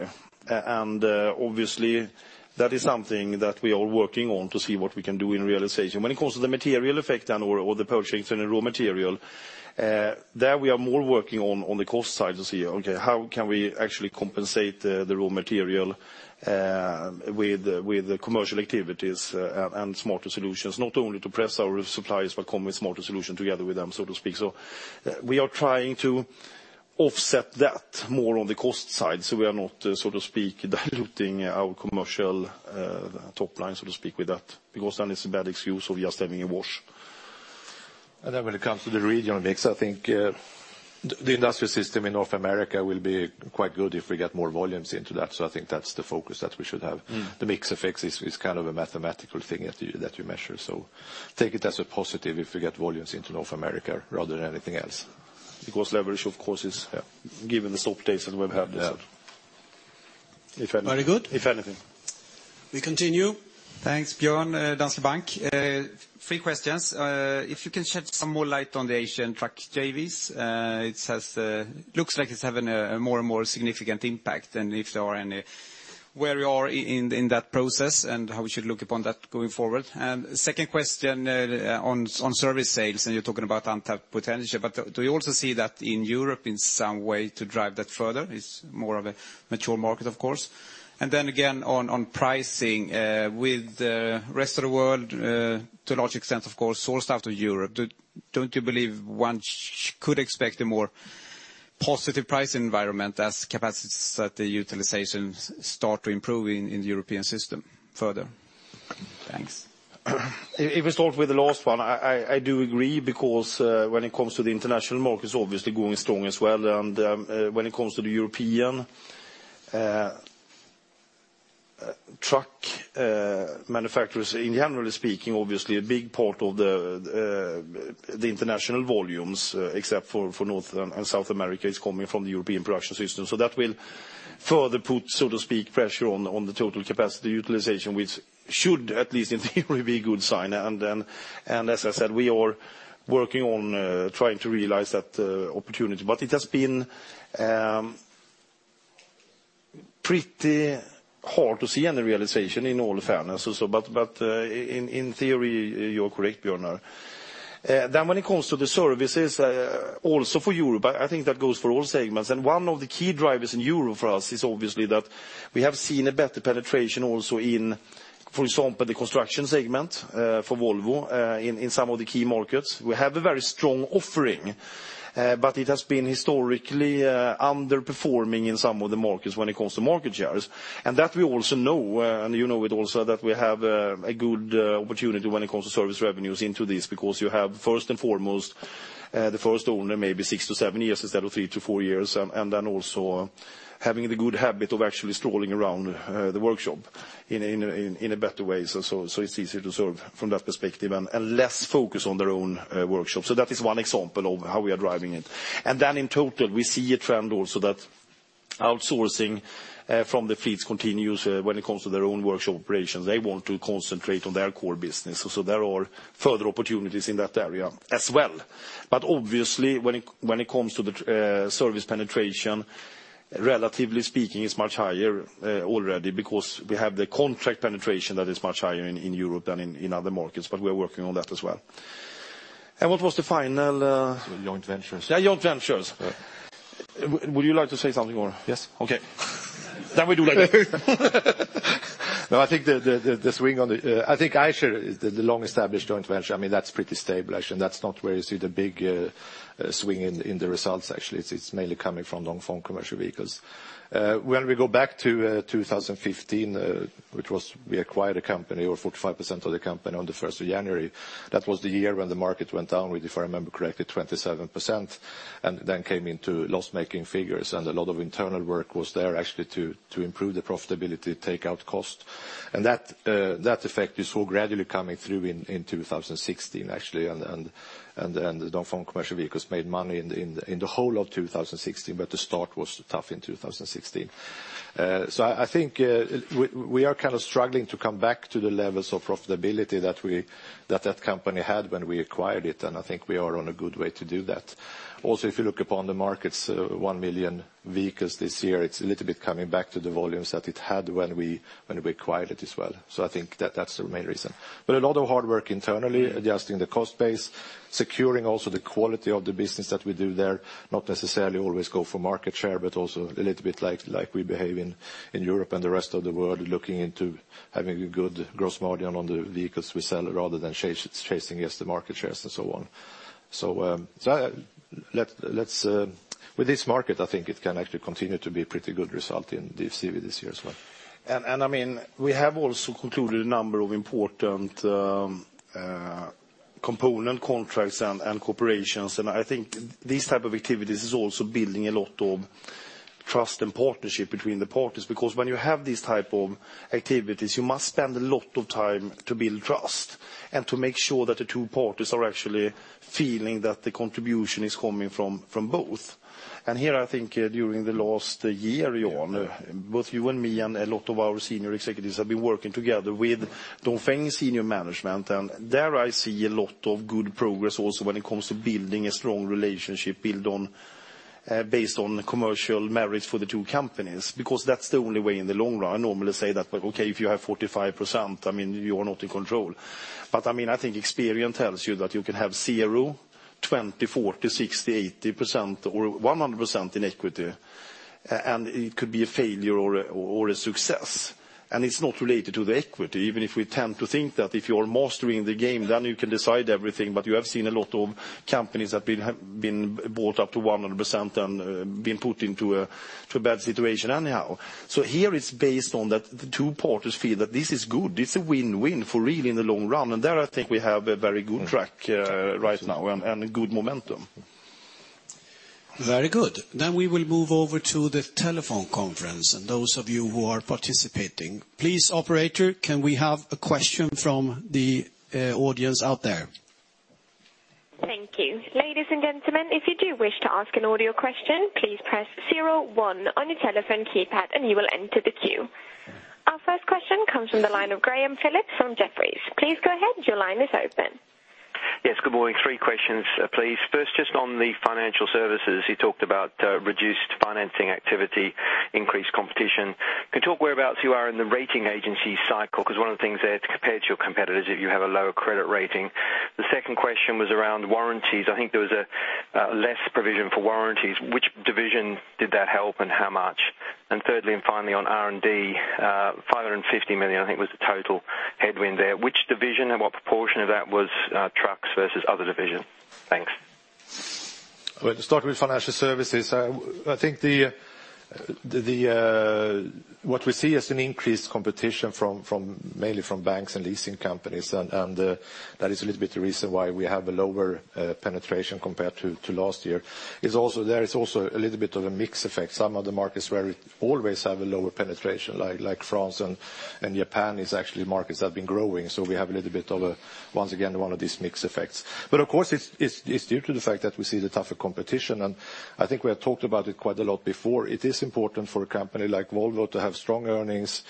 Obviously, that is something that we are working on to see what we can do in realization. When it comes to the material effect, or the purchasing of the raw material, there we are more working on the cost side to see, okay, how can we actually compensate the raw material with the commercial activities and smarter solutions, not only to press our suppliers, but come with smarter solution together with them, so to speak. We are trying to offset that more on the cost side, so we are not, so to speak, diluting our commercial top line, so to speak, with that, because then it's a bad excuse of just having a wash. When it comes to the regional mix, I think the industrial system in North America will be quite good if we get more volumes into that. I think that's the focus that we should have. The mix effect is kind of a mathematical thing that you measure. Take it as a positive if we get volumes into North America rather than anything else. Leverage, of course, is given the stop dates that we've had this. Yeah. Very good. If anything. We continue. Thanks, Björn, Danske Bank. Three questions. If you can shed some more light on the Asian truck JVs. It looks like it's having a more and more significant impact, and if there are any Where you are in that process and how we should look upon that going forward. Second question on service sales, you're talking about untapped potential, do you also see that in Europe in some way to drive that further? It's more of a mature market, of course. Then again on pricing, with the rest of the world, to a large extent, of course, sourced out of Europe, don't you believe one could expect a more positive price environment as capacity utilizations start to improve in the European system further? Thanks. If I start with the last one, I do agree because when it comes to the international markets, obviously going strong as well. When it comes to the European truck manufacturers, generally speaking, obviously a big part of the international volumes, except for North and South America, is coming from the European production system. That will further put, so to speak, pressure on the total capacity utilization, which should at least in theory be a good sign. As I said, we are working on trying to realize that opportunity. It has been pretty hard to see any realization in all fairness. In theory, you are correct, Björnar. When it comes to the services, also for Europe, I think that goes for all segments. One of the key drivers in Europe for us is obviously that we have seen a better penetration also in, for example, the construction segment, for Volvo, in some of the key markets. We have a very strong offering, but it has been historically underperforming in some of the markets when it comes to market shares. That we also know, and you know it also that we have a good opportunity when it comes to service revenues into this because you have first and foremost, the first owner maybe 6 years-7 years instead of 3 years-4 years. Then also having the good habit of actually strolling around the workshop in a better way. It's easier to serve from that perspective and less focus on their own workshop. That is one example of how we are driving it. In total, we see a trend also that outsourcing from the fleets continues when it comes to their own workshop operations. They want to concentrate on their core business. There are further opportunities in that area as well. Obviously when it comes to the service penetration, relatively speaking, it's much higher already because we have the contract penetration that is much higher in Europe than in other markets, but we are working on that as well. What was the final, Joint ventures. Joint ventures. Would you like to say something more? Yes? Okay. We do like that. I think the swing on the Eicher is the long established joint venture. I mean, that's pretty stable, actually. That's not where you see the big swing in the results, actually. It's mainly coming from Dongfeng Commercial Vehicles. When we go back to 2015, which was, we acquired a company or 45% of the company on the 1st of January. That was the year when the market went down with, if I remember correctly, 27% and then came into loss-making figures. A lot of internal work was there actually to improve the profitability, take out cost. That effect you saw gradually coming through in 2016, actually. Dongfeng Commercial Vehicles made money in the whole of 2016, but the start was tough in 2016. I think we are kind of struggling to come back to the levels of profitability that that company had when we acquired it. I think we are on a good way to do that. Also, if you look upon the markets, 1 million vehicles this year, it's a little bit coming back to the volumes that it had when we acquired it as well. I think that's the main reason. A lot of hard work internally, adjusting the cost base, securing also the quality of the business that we do there, not necessarily always go for market share, but also a little bit like we behave in Europe and the rest of the world, looking into having a good gross margin on the vehicles we sell rather than chasing against the market shares and so on. With this market, I think it can actually continue to be pretty good result in DFCV this year as well. I mean, we have also concluded a number of important component contracts and cooperations. I think these type of activities is also building a lot of trust and partnership between the parties, because when you have these type of activities, you must spend a lot of time to build trust and to make sure that the two parties are actually feeling that the contribution is coming from both. Here, I think during the last year, Jan, both you and me and a lot of our senior executives have been working together with Dongfeng senior management. There I see a lot of good progress also when it comes to building a strong relationship build on, based on commercial merits for the two companies, because that's the only way in the long run. I normally say that, if you have 45%, I mean, you are not in control. I mean, I think experience tells you that you can have 0, 20, 40, 60, 80% or 100% in equity, and it could be a failure or a success. It's not related to the equity, even if we tend to think that if you are mastering the game, then you can decide everything. You have seen a lot of companies that have been bought up to 100% and been put into a bad situation anyhow. Here it's based on that the two parties feel that this is good. This is a win-win for real in the long run. There I think we have a very good track right now and good momentum. Very good. We will move over to the telephone conference and those of you who are participating. Please, operator, can we have a question from the audience out there? Thank you. Ladies and gentlemen, if you do wish to ask an audio question, please press 01 on your telephone keypad and you will enter the queue. Our first question comes from the line of Graham Phillips from Jefferies. Please go ahead, your line is open. Yes, good morning. Three questions, please. First, just on the financial services, you talked about reduced financing activity, increased competition. Can you talk whereabouts you are in the rating agency cycle? One of the things there, compared to your competitors, is that you have a lower credit rating. The second question was around warranties. I think there was less provision for warranties. Which division did that help, and how much? Thirdly, and finally, on R&D, 550 million, I think, was the total headwind there. Which division and what proportion of that was trucks versus other divisions? Thanks. To start with financial services, what we see is an increased competition, mainly from banks and leasing companies. That is a little bit the reason why we have a lower penetration compared to last year. There is also a little bit of a mix effect. Some of the markets where we always have a lower penetration, like France and Japan, is actually markets that have been growing. We have a little bit of, once again, one of these mix effects. It's due to the fact that we see the tougher competition, we have talked about it quite a lot before. It is important for a company like Volvo Group to have strong earnings,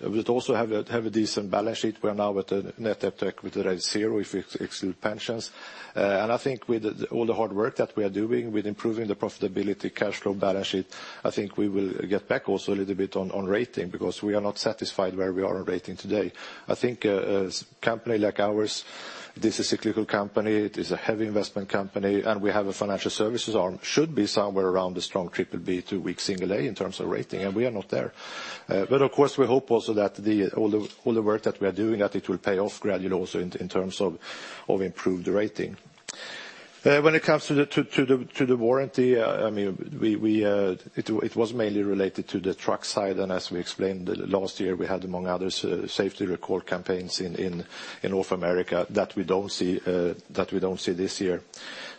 but also have a decent balance sheet. We are now at a net debt/EBITDA of zero, if we exclude pensions. With all the hard work that we are doing with improving the profitability, cash flow, balance sheet, we will get back also a little bit on rating, because we are not satisfied where we are on rating today. A company like ours, this is a cyclical company, it is a heavy investment company, and we have a financial services arm, should be somewhere around a strong triple B to weak single A in terms of rating, and we are not there. We hope also that all the work that we are doing, that it will pay off gradually also in terms of improved rating. When it comes to the warranty, it was mainly related to the truck side. As we explained, last year, we had, among others, safety recall campaigns in North America that we don't see this year.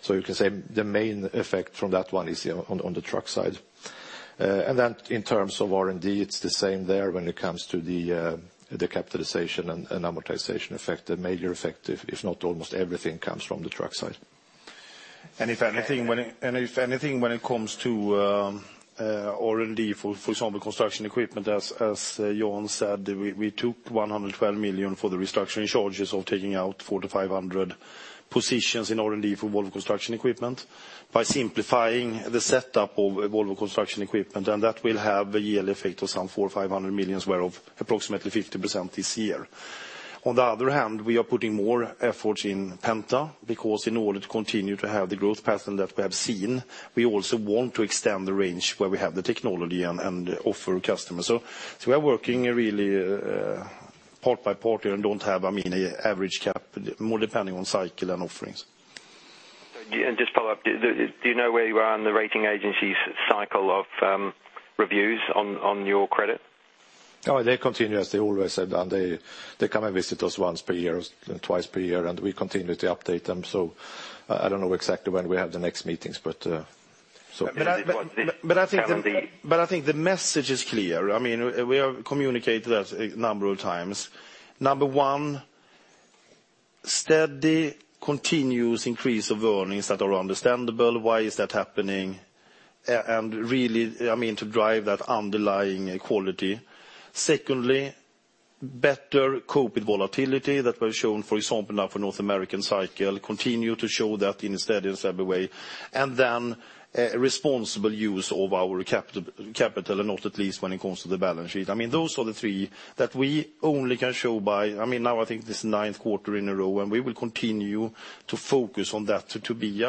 You can say the main effect from that one is on the truck side. In terms of R&D, it's the same there when it comes to the capitalization and amortization effect. The major effect, if not almost everything, comes from the truck side. When it comes to R&D, for example, construction equipment, as Jan said, we took 112 million for the restructuring charges of taking out 400-500 positions in R&D for Volvo Construction Equipment, by simplifying the setup of Volvo Construction Equipment. That will have a yearly effect of some 400 million or 500 million, whereof approximately 50% this year. On the other hand, we are putting more efforts in Volvo Penta, because in order to continue to have the growth pattern that we have seen, we also want to extend the range where we have the technology and offer customers. We are working really part by part here and don't have an average cap, more depending on cycle and offerings. Just a follow-up. Do you know where you are in the rating agency's cycle of reviews on your credit? They continue, as they always said, and they come and visit us once per year or twice per year, and we continue to update them. I don't know exactly when we have the next meetings. But I think the- I think the message is clear. We have communicated that a number of times. Number 1, steady, continuous increase of earnings that are understandable, why is that happening, and really to drive that underlying quality. Secondly, better cope with volatility that we're shown, for example, now for North American cycle, continue to show that in a steady way. Responsible use of our capital, and not at least when it comes to the balance sheet. Those are the three that we only can show by now I think this is the ninth quarter in a row, we will continue to focus on that to be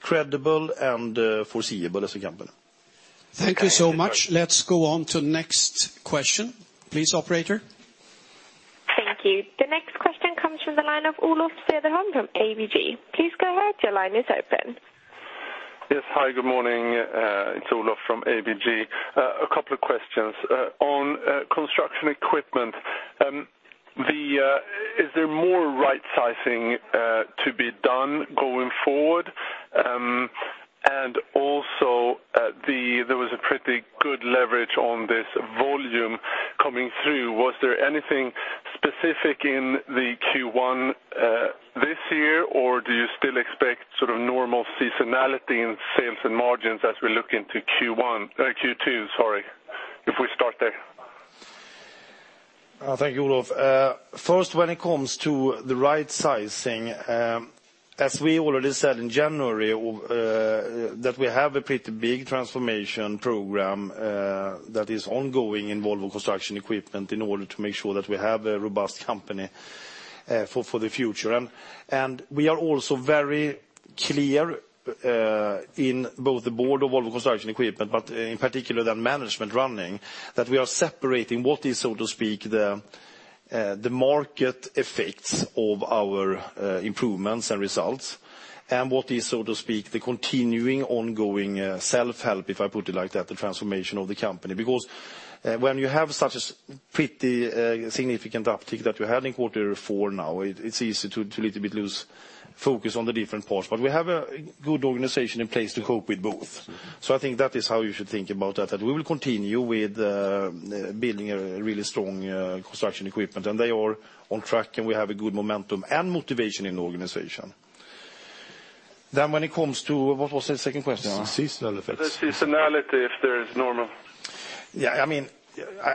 credible and foreseeable as a company. Thank you so much. Let's go on to the next question. Please, operator. Thank you. The next question comes from the line of Olof Cederholm from ABG. Please go ahead. Your line is open. Yes. Hi, good morning. It's Olof from ABG. A couple of questions. On construction equipment, is there more right-sizing to be done going forward? Also, there was a pretty good leverage on this volume coming through. Was there anything specific in the Q1 this year, or do you still expect normal seasonality in sales and margins as we look into Q1, Q2, sorry, if we start there? Thank you, Olof. First, when it comes to the right-sizing, as we already said in January, that we have a pretty big transformation program that is ongoing in Volvo Construction Equipment in order to make sure that we have a robust company for the future. We are also very clear in both the board of Volvo Construction Equipment, but in particular the management running, that we are separating what is, so to speak, the market effects of our improvements and results and what is, so to speak, the continuing, ongoing self-help, if I put it like that, the transformation of the company. When you have such a pretty significant uptick that we had in quarter four now, it's easy to little bit lose focus on the different parts. We have a good organization in place to cope with both. I think that is how you should think about that. That we will continue with building a really strong Construction Equipment, and they are on track, and we have a good momentum and motivation in the organization. When it comes to, what was the second question? Seasonal effects. The seasonality, if there is normal. Yeah.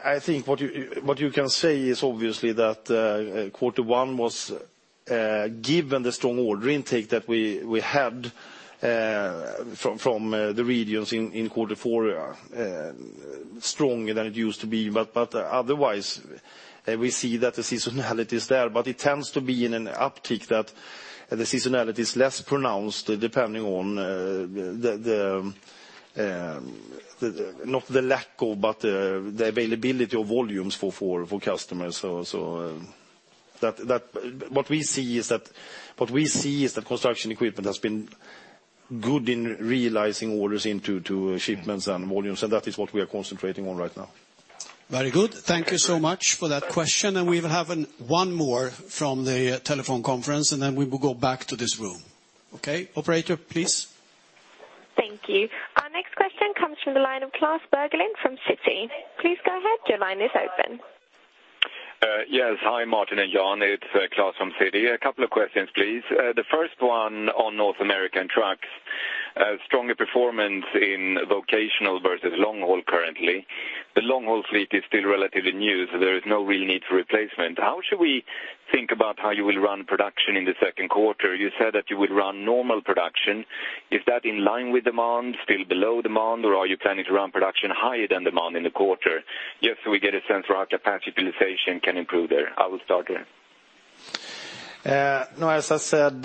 I think what you can say is obviously that quarter one was given the strong order intake that we had from the regions in quarter four, stronger than it used to be. Otherwise, we see that the seasonality is there, but it tends to be in an uptick that the seasonality is less pronounced depending on not the lack of, but the availability of volumes for customers. What we see is that Construction Equipment has been good in realizing orders into shipments and volumes, and that is what we are concentrating on right now. Very good. Thank you so much for that question. We will have one more from the telephone conference. Then we will go back to this room. Okay. Operator, please. Thank you. Our next question comes from the line of Klas Bergelind from Citi. Please go ahead. Your line is open. Yes. Hi, Martin and Jan, it's Klas from Citi. A couple of questions, please. The first one on North American trucks, stronger performance in vocational versus long haul currently. The long haul fleet is still relatively new. There is no real need for replacement. How should we think about how you will run production in the second quarter? You said that you would run normal production. Is that in line with demand, still below demand, or are you planning to run production higher than demand in the quarter? We get a sense for how capacity utilization can improve there. I will start there. No, as I said,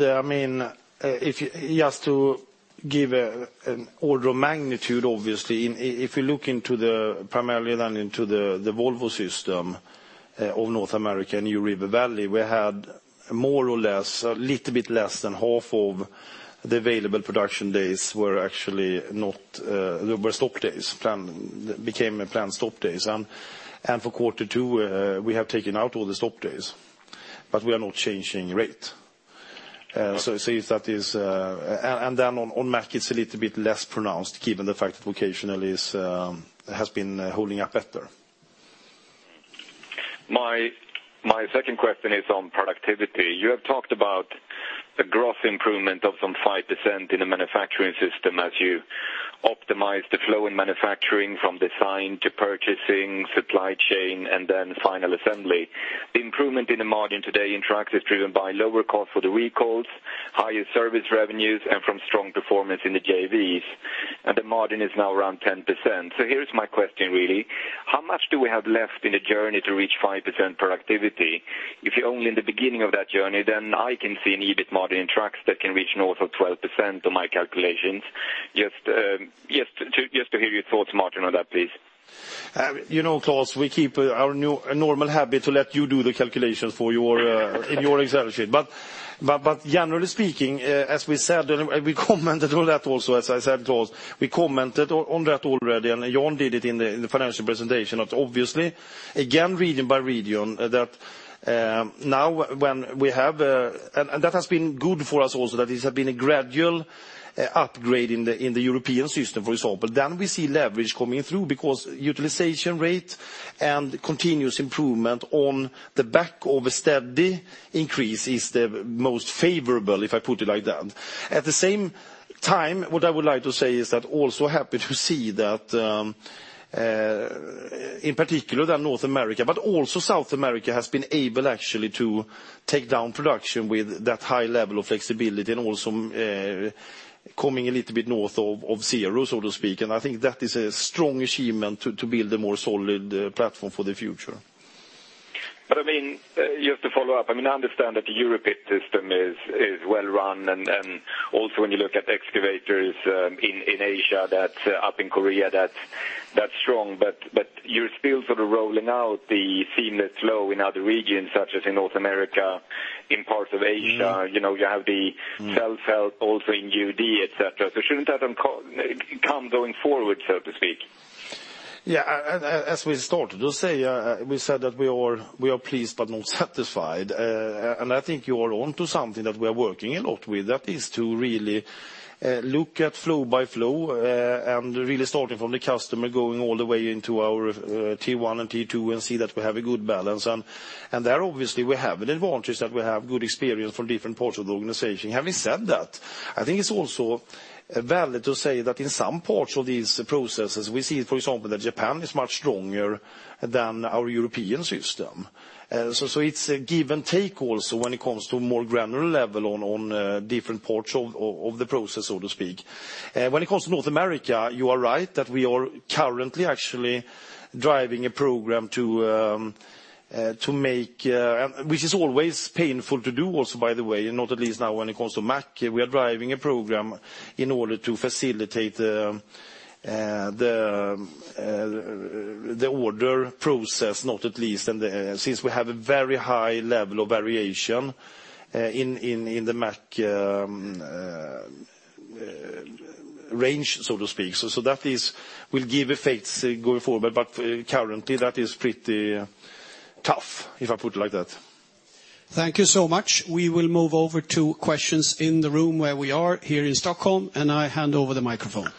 just to give an order of magnitude, obviously, if you look primarily then into the Volvo system of North America and New River Valley, we had more or less, a little bit less than half of the available production days were stop days, became planned stop days. For quarter two, we have taken out all the stop days. We are not changing rate. Then on Mack, it's a little bit less pronounced given the fact that vocational has been holding up better. My second question is on productivity. You have talked about a gross improvement of some 5% in the manufacturing system as you optimize the flow in manufacturing from design to purchasing, supply chain, and then final assembly. The improvement in the margin today in trucks is driven by lower cost for the recalls, higher service revenues, and from strong performance in the JVs, and the margin is now around 10%. Here is my question, really. How much do we have left in the journey to reach 5% productivity? If you're only in the beginning of that journey, then I can see an EBIT margin in trucks that can reach north of 12% on my calculations. Just to hear your thoughts, Martin, on that, please. Klas, we keep our normal habit to let you do the calculations in your Excel sheet. Generally speaking, as we said, and we commented on that also, as I said, Klas, we commented on that already, and Jan did it in the financial presentation that obviously, again, region by region, and that has been good for us also, that it has been a gradual upgrade in the European system, for example. We see leverage coming through because utilization rate and continuous improvement on the back of a steady increase is the most favorable, if I put it like that. At the same time, what I would like to say is that also happy to see that, in particular, that North America, but also South America, has been able, actually, to take down production with that high level of flexibility and also coming a little bit north of zero, so to speak, and I think that is a strong achievement to build a more solid platform for the future. Just to follow up, I understand that the European system is well run, and also when you look at excavators in Asia, up in Korea, that's strong. You're still sort of rolling out the seamless flow in other regions, such as in North America, in parts of Asia. You have the self-help also in UD, et cetera. Shouldn't that come going forward, so to speak? Yeah. As we started to say, we said that we are pleased but not satisfied. I think you are onto something that we are working a lot with. That is to really look at flow by flow, and really starting from the customer, going all the way into our T1 and T2 and see that we have a good balance. There, obviously, we have an advantage that we have good experience from different parts of the organization. Having said that, I think it's also valid to say that in some parts of these processes, we see, for example, that Japan is much stronger than our European system. It's a give and take also when it comes to a more granular level on different parts of the process, so to speak. When it comes to North America, you are right that we are currently actually driving a program, which is always painful to do also, by the way, not at least now when it comes to Mack. We are driving a program in order to facilitate the order process, not at least since we have a very high level of variation in the Mack range, so to speak. That will give effects going forward, but currently, that is pretty tough, if I put it like that. Thank you so much. We will move over to questions in the room where we are here in Stockholm, and I hand over the microphone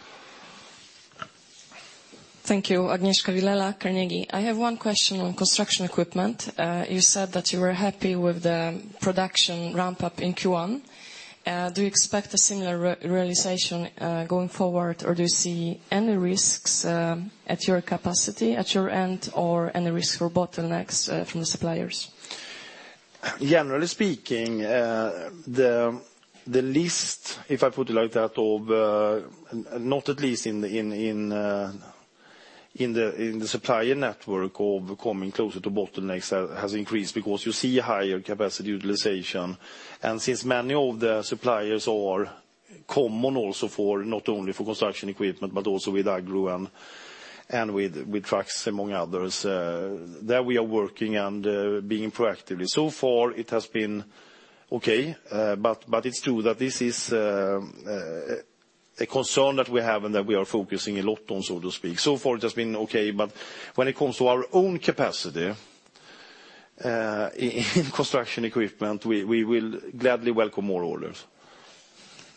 Thank you. Agnieszka Wielecka, Carnegie. I have one question on construction equipment. You said that you were happy with the production ramp-up in Q1. Do you expect a similar realization going forward, or do you see any risks at your capacity at your end, or any risk for bottlenecks from the suppliers? Generally speaking, the list, if I put it like that, not at least in the supplier network of coming closer to bottlenecks has increased because you see higher capacity utilization. Since many of the suppliers are common also not only for construction equipment, but also with Agro and with trucks, among others, there we are working and being proactive. So far it has been okay, but it's true that this is a concern that we have and that we are focusing a lot on, so to speak. So far it has been okay, but when it comes to our own capacity in construction equipment, we will gladly welcome more orders.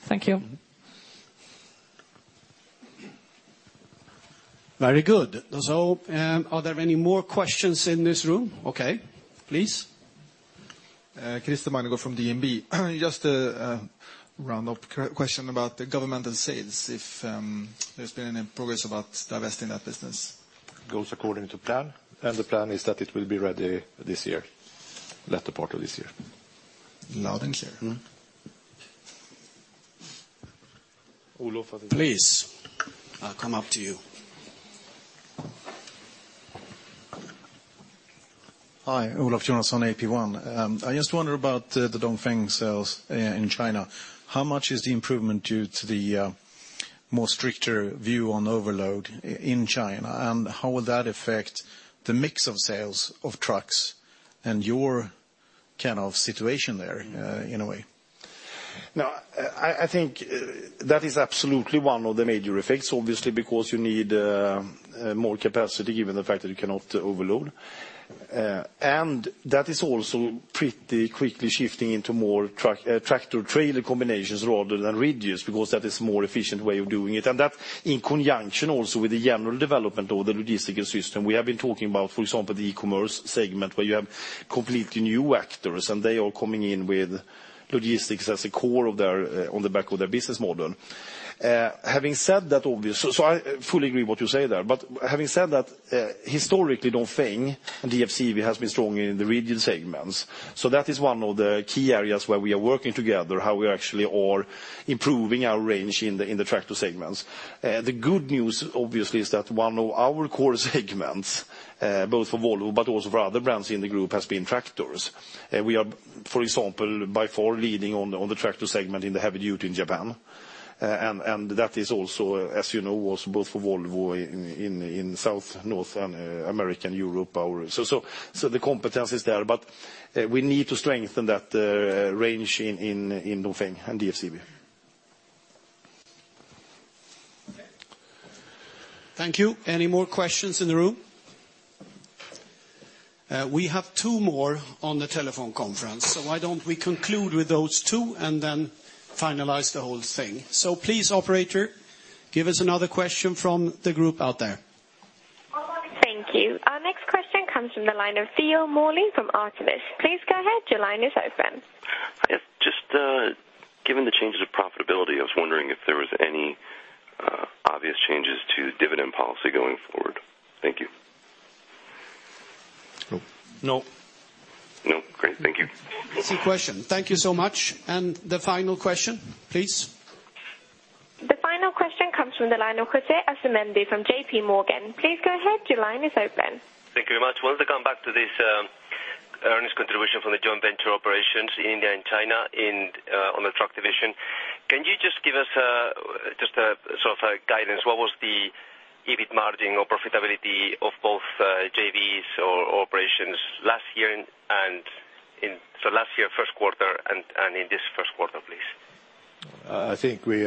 Thank you. Very good. Are there any more questions in this room? Okay, please. Christian Demers from DNB. Just a round-up question about the governmental sales, if there's been any progress about divesting that business. Goes according to plan. The plan is that it will be ready this year, latter part of this year. Loud and clear. Olof, please. I'll come up to you. Hi. Olof Jonasson, AP1. I just wonder about the Dongfeng sales in China. How much is the improvement due to the more stricter view on overload in China, and how will that affect the mix of sales of trucks and your kind of situation there in a way? I think that is absolutely one of the major effects, obviously because you need more capacity given the fact that you cannot overload. That is also pretty quickly shifting into more tractor-trailer combinations rather than rigids, because that is a more efficient way of doing it, and that in conjunction also with the general development of the logistical system. We have been talking about, for example, the e-commerce segment, where you have completely new actors and they are coming in with logistics as a core on the back of their business model. I fully agree what you say there, but having said that, historically Dongfeng and DFCV has been strong in the rigid segments. That is one of the key areas where we are working together, how we actually are improving our range in the tractor segments. The good news, obviously, is that one of our core segments both for Volvo but also for other brands in the group has been tractors. We are, for example, by far leading on the tractor segment in the heavy-duty in Japan. That is also, as you know, also both for Volvo in South, North and American Europe. The competence is there, but we need to strengthen that range in Dongfeng and DFCV. Thank you. Any more questions in the room? We have two more on the telephone conference, why don't we conclude with those two and then finalize the whole thing? Please, operator, give us another question from the group out there. Thank you. Our next question comes from the line of Theo Morley from Artemis. Please go ahead, your line is open. Yes. Just given the changes of profitability, I was wondering if there was any obvious changes to dividend policy going forward. Thank you. No. No. No? Great. Thank you. That's the question. Thank you so much. The final question, please. The final question comes from the line of Jose Asumendi from J.P. Morgan. Please go ahead, your line is open. Thank you very much. Wanted to come back to this earnings contribution from the joint venture operations in India and China on the truck division. Can you just give us sort of a guidance? What was the EBIT margin or profitability of both JVs or operations last year, first quarter and in this first quarter, please? I think we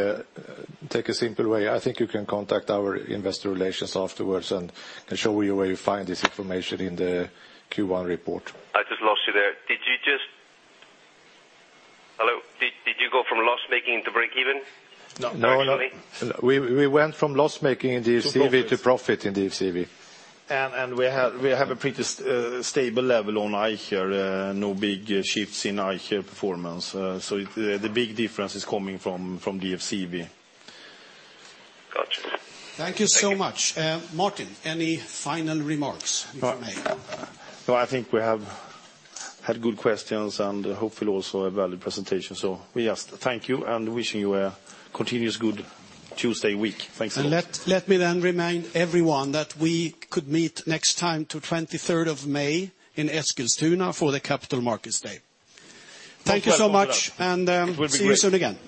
take a simple way. I think you can contact our investor relations afterwards and they show you where you find this information in the Q1 report. I just lost you there. Hello? Did you go from loss-making to break even? No. We went from loss-making in DFCV to profit in DFCV. We have a pretty stable level on Eicher, no big shifts in Eicher performance. The big difference is coming from DFCV. Got you. Thank you so much. Martin, any final remarks, if you may? I think we have had good questions and hopefully also a valid presentation. We just thank you and wishing you a continuous good Tuesday week. Thanks a lot. Let me then remind everyone that we could meet next time to 23rd of May in Eskilstuna for the Capital Markets Day. Thank you so much. It will be great. See you soon again.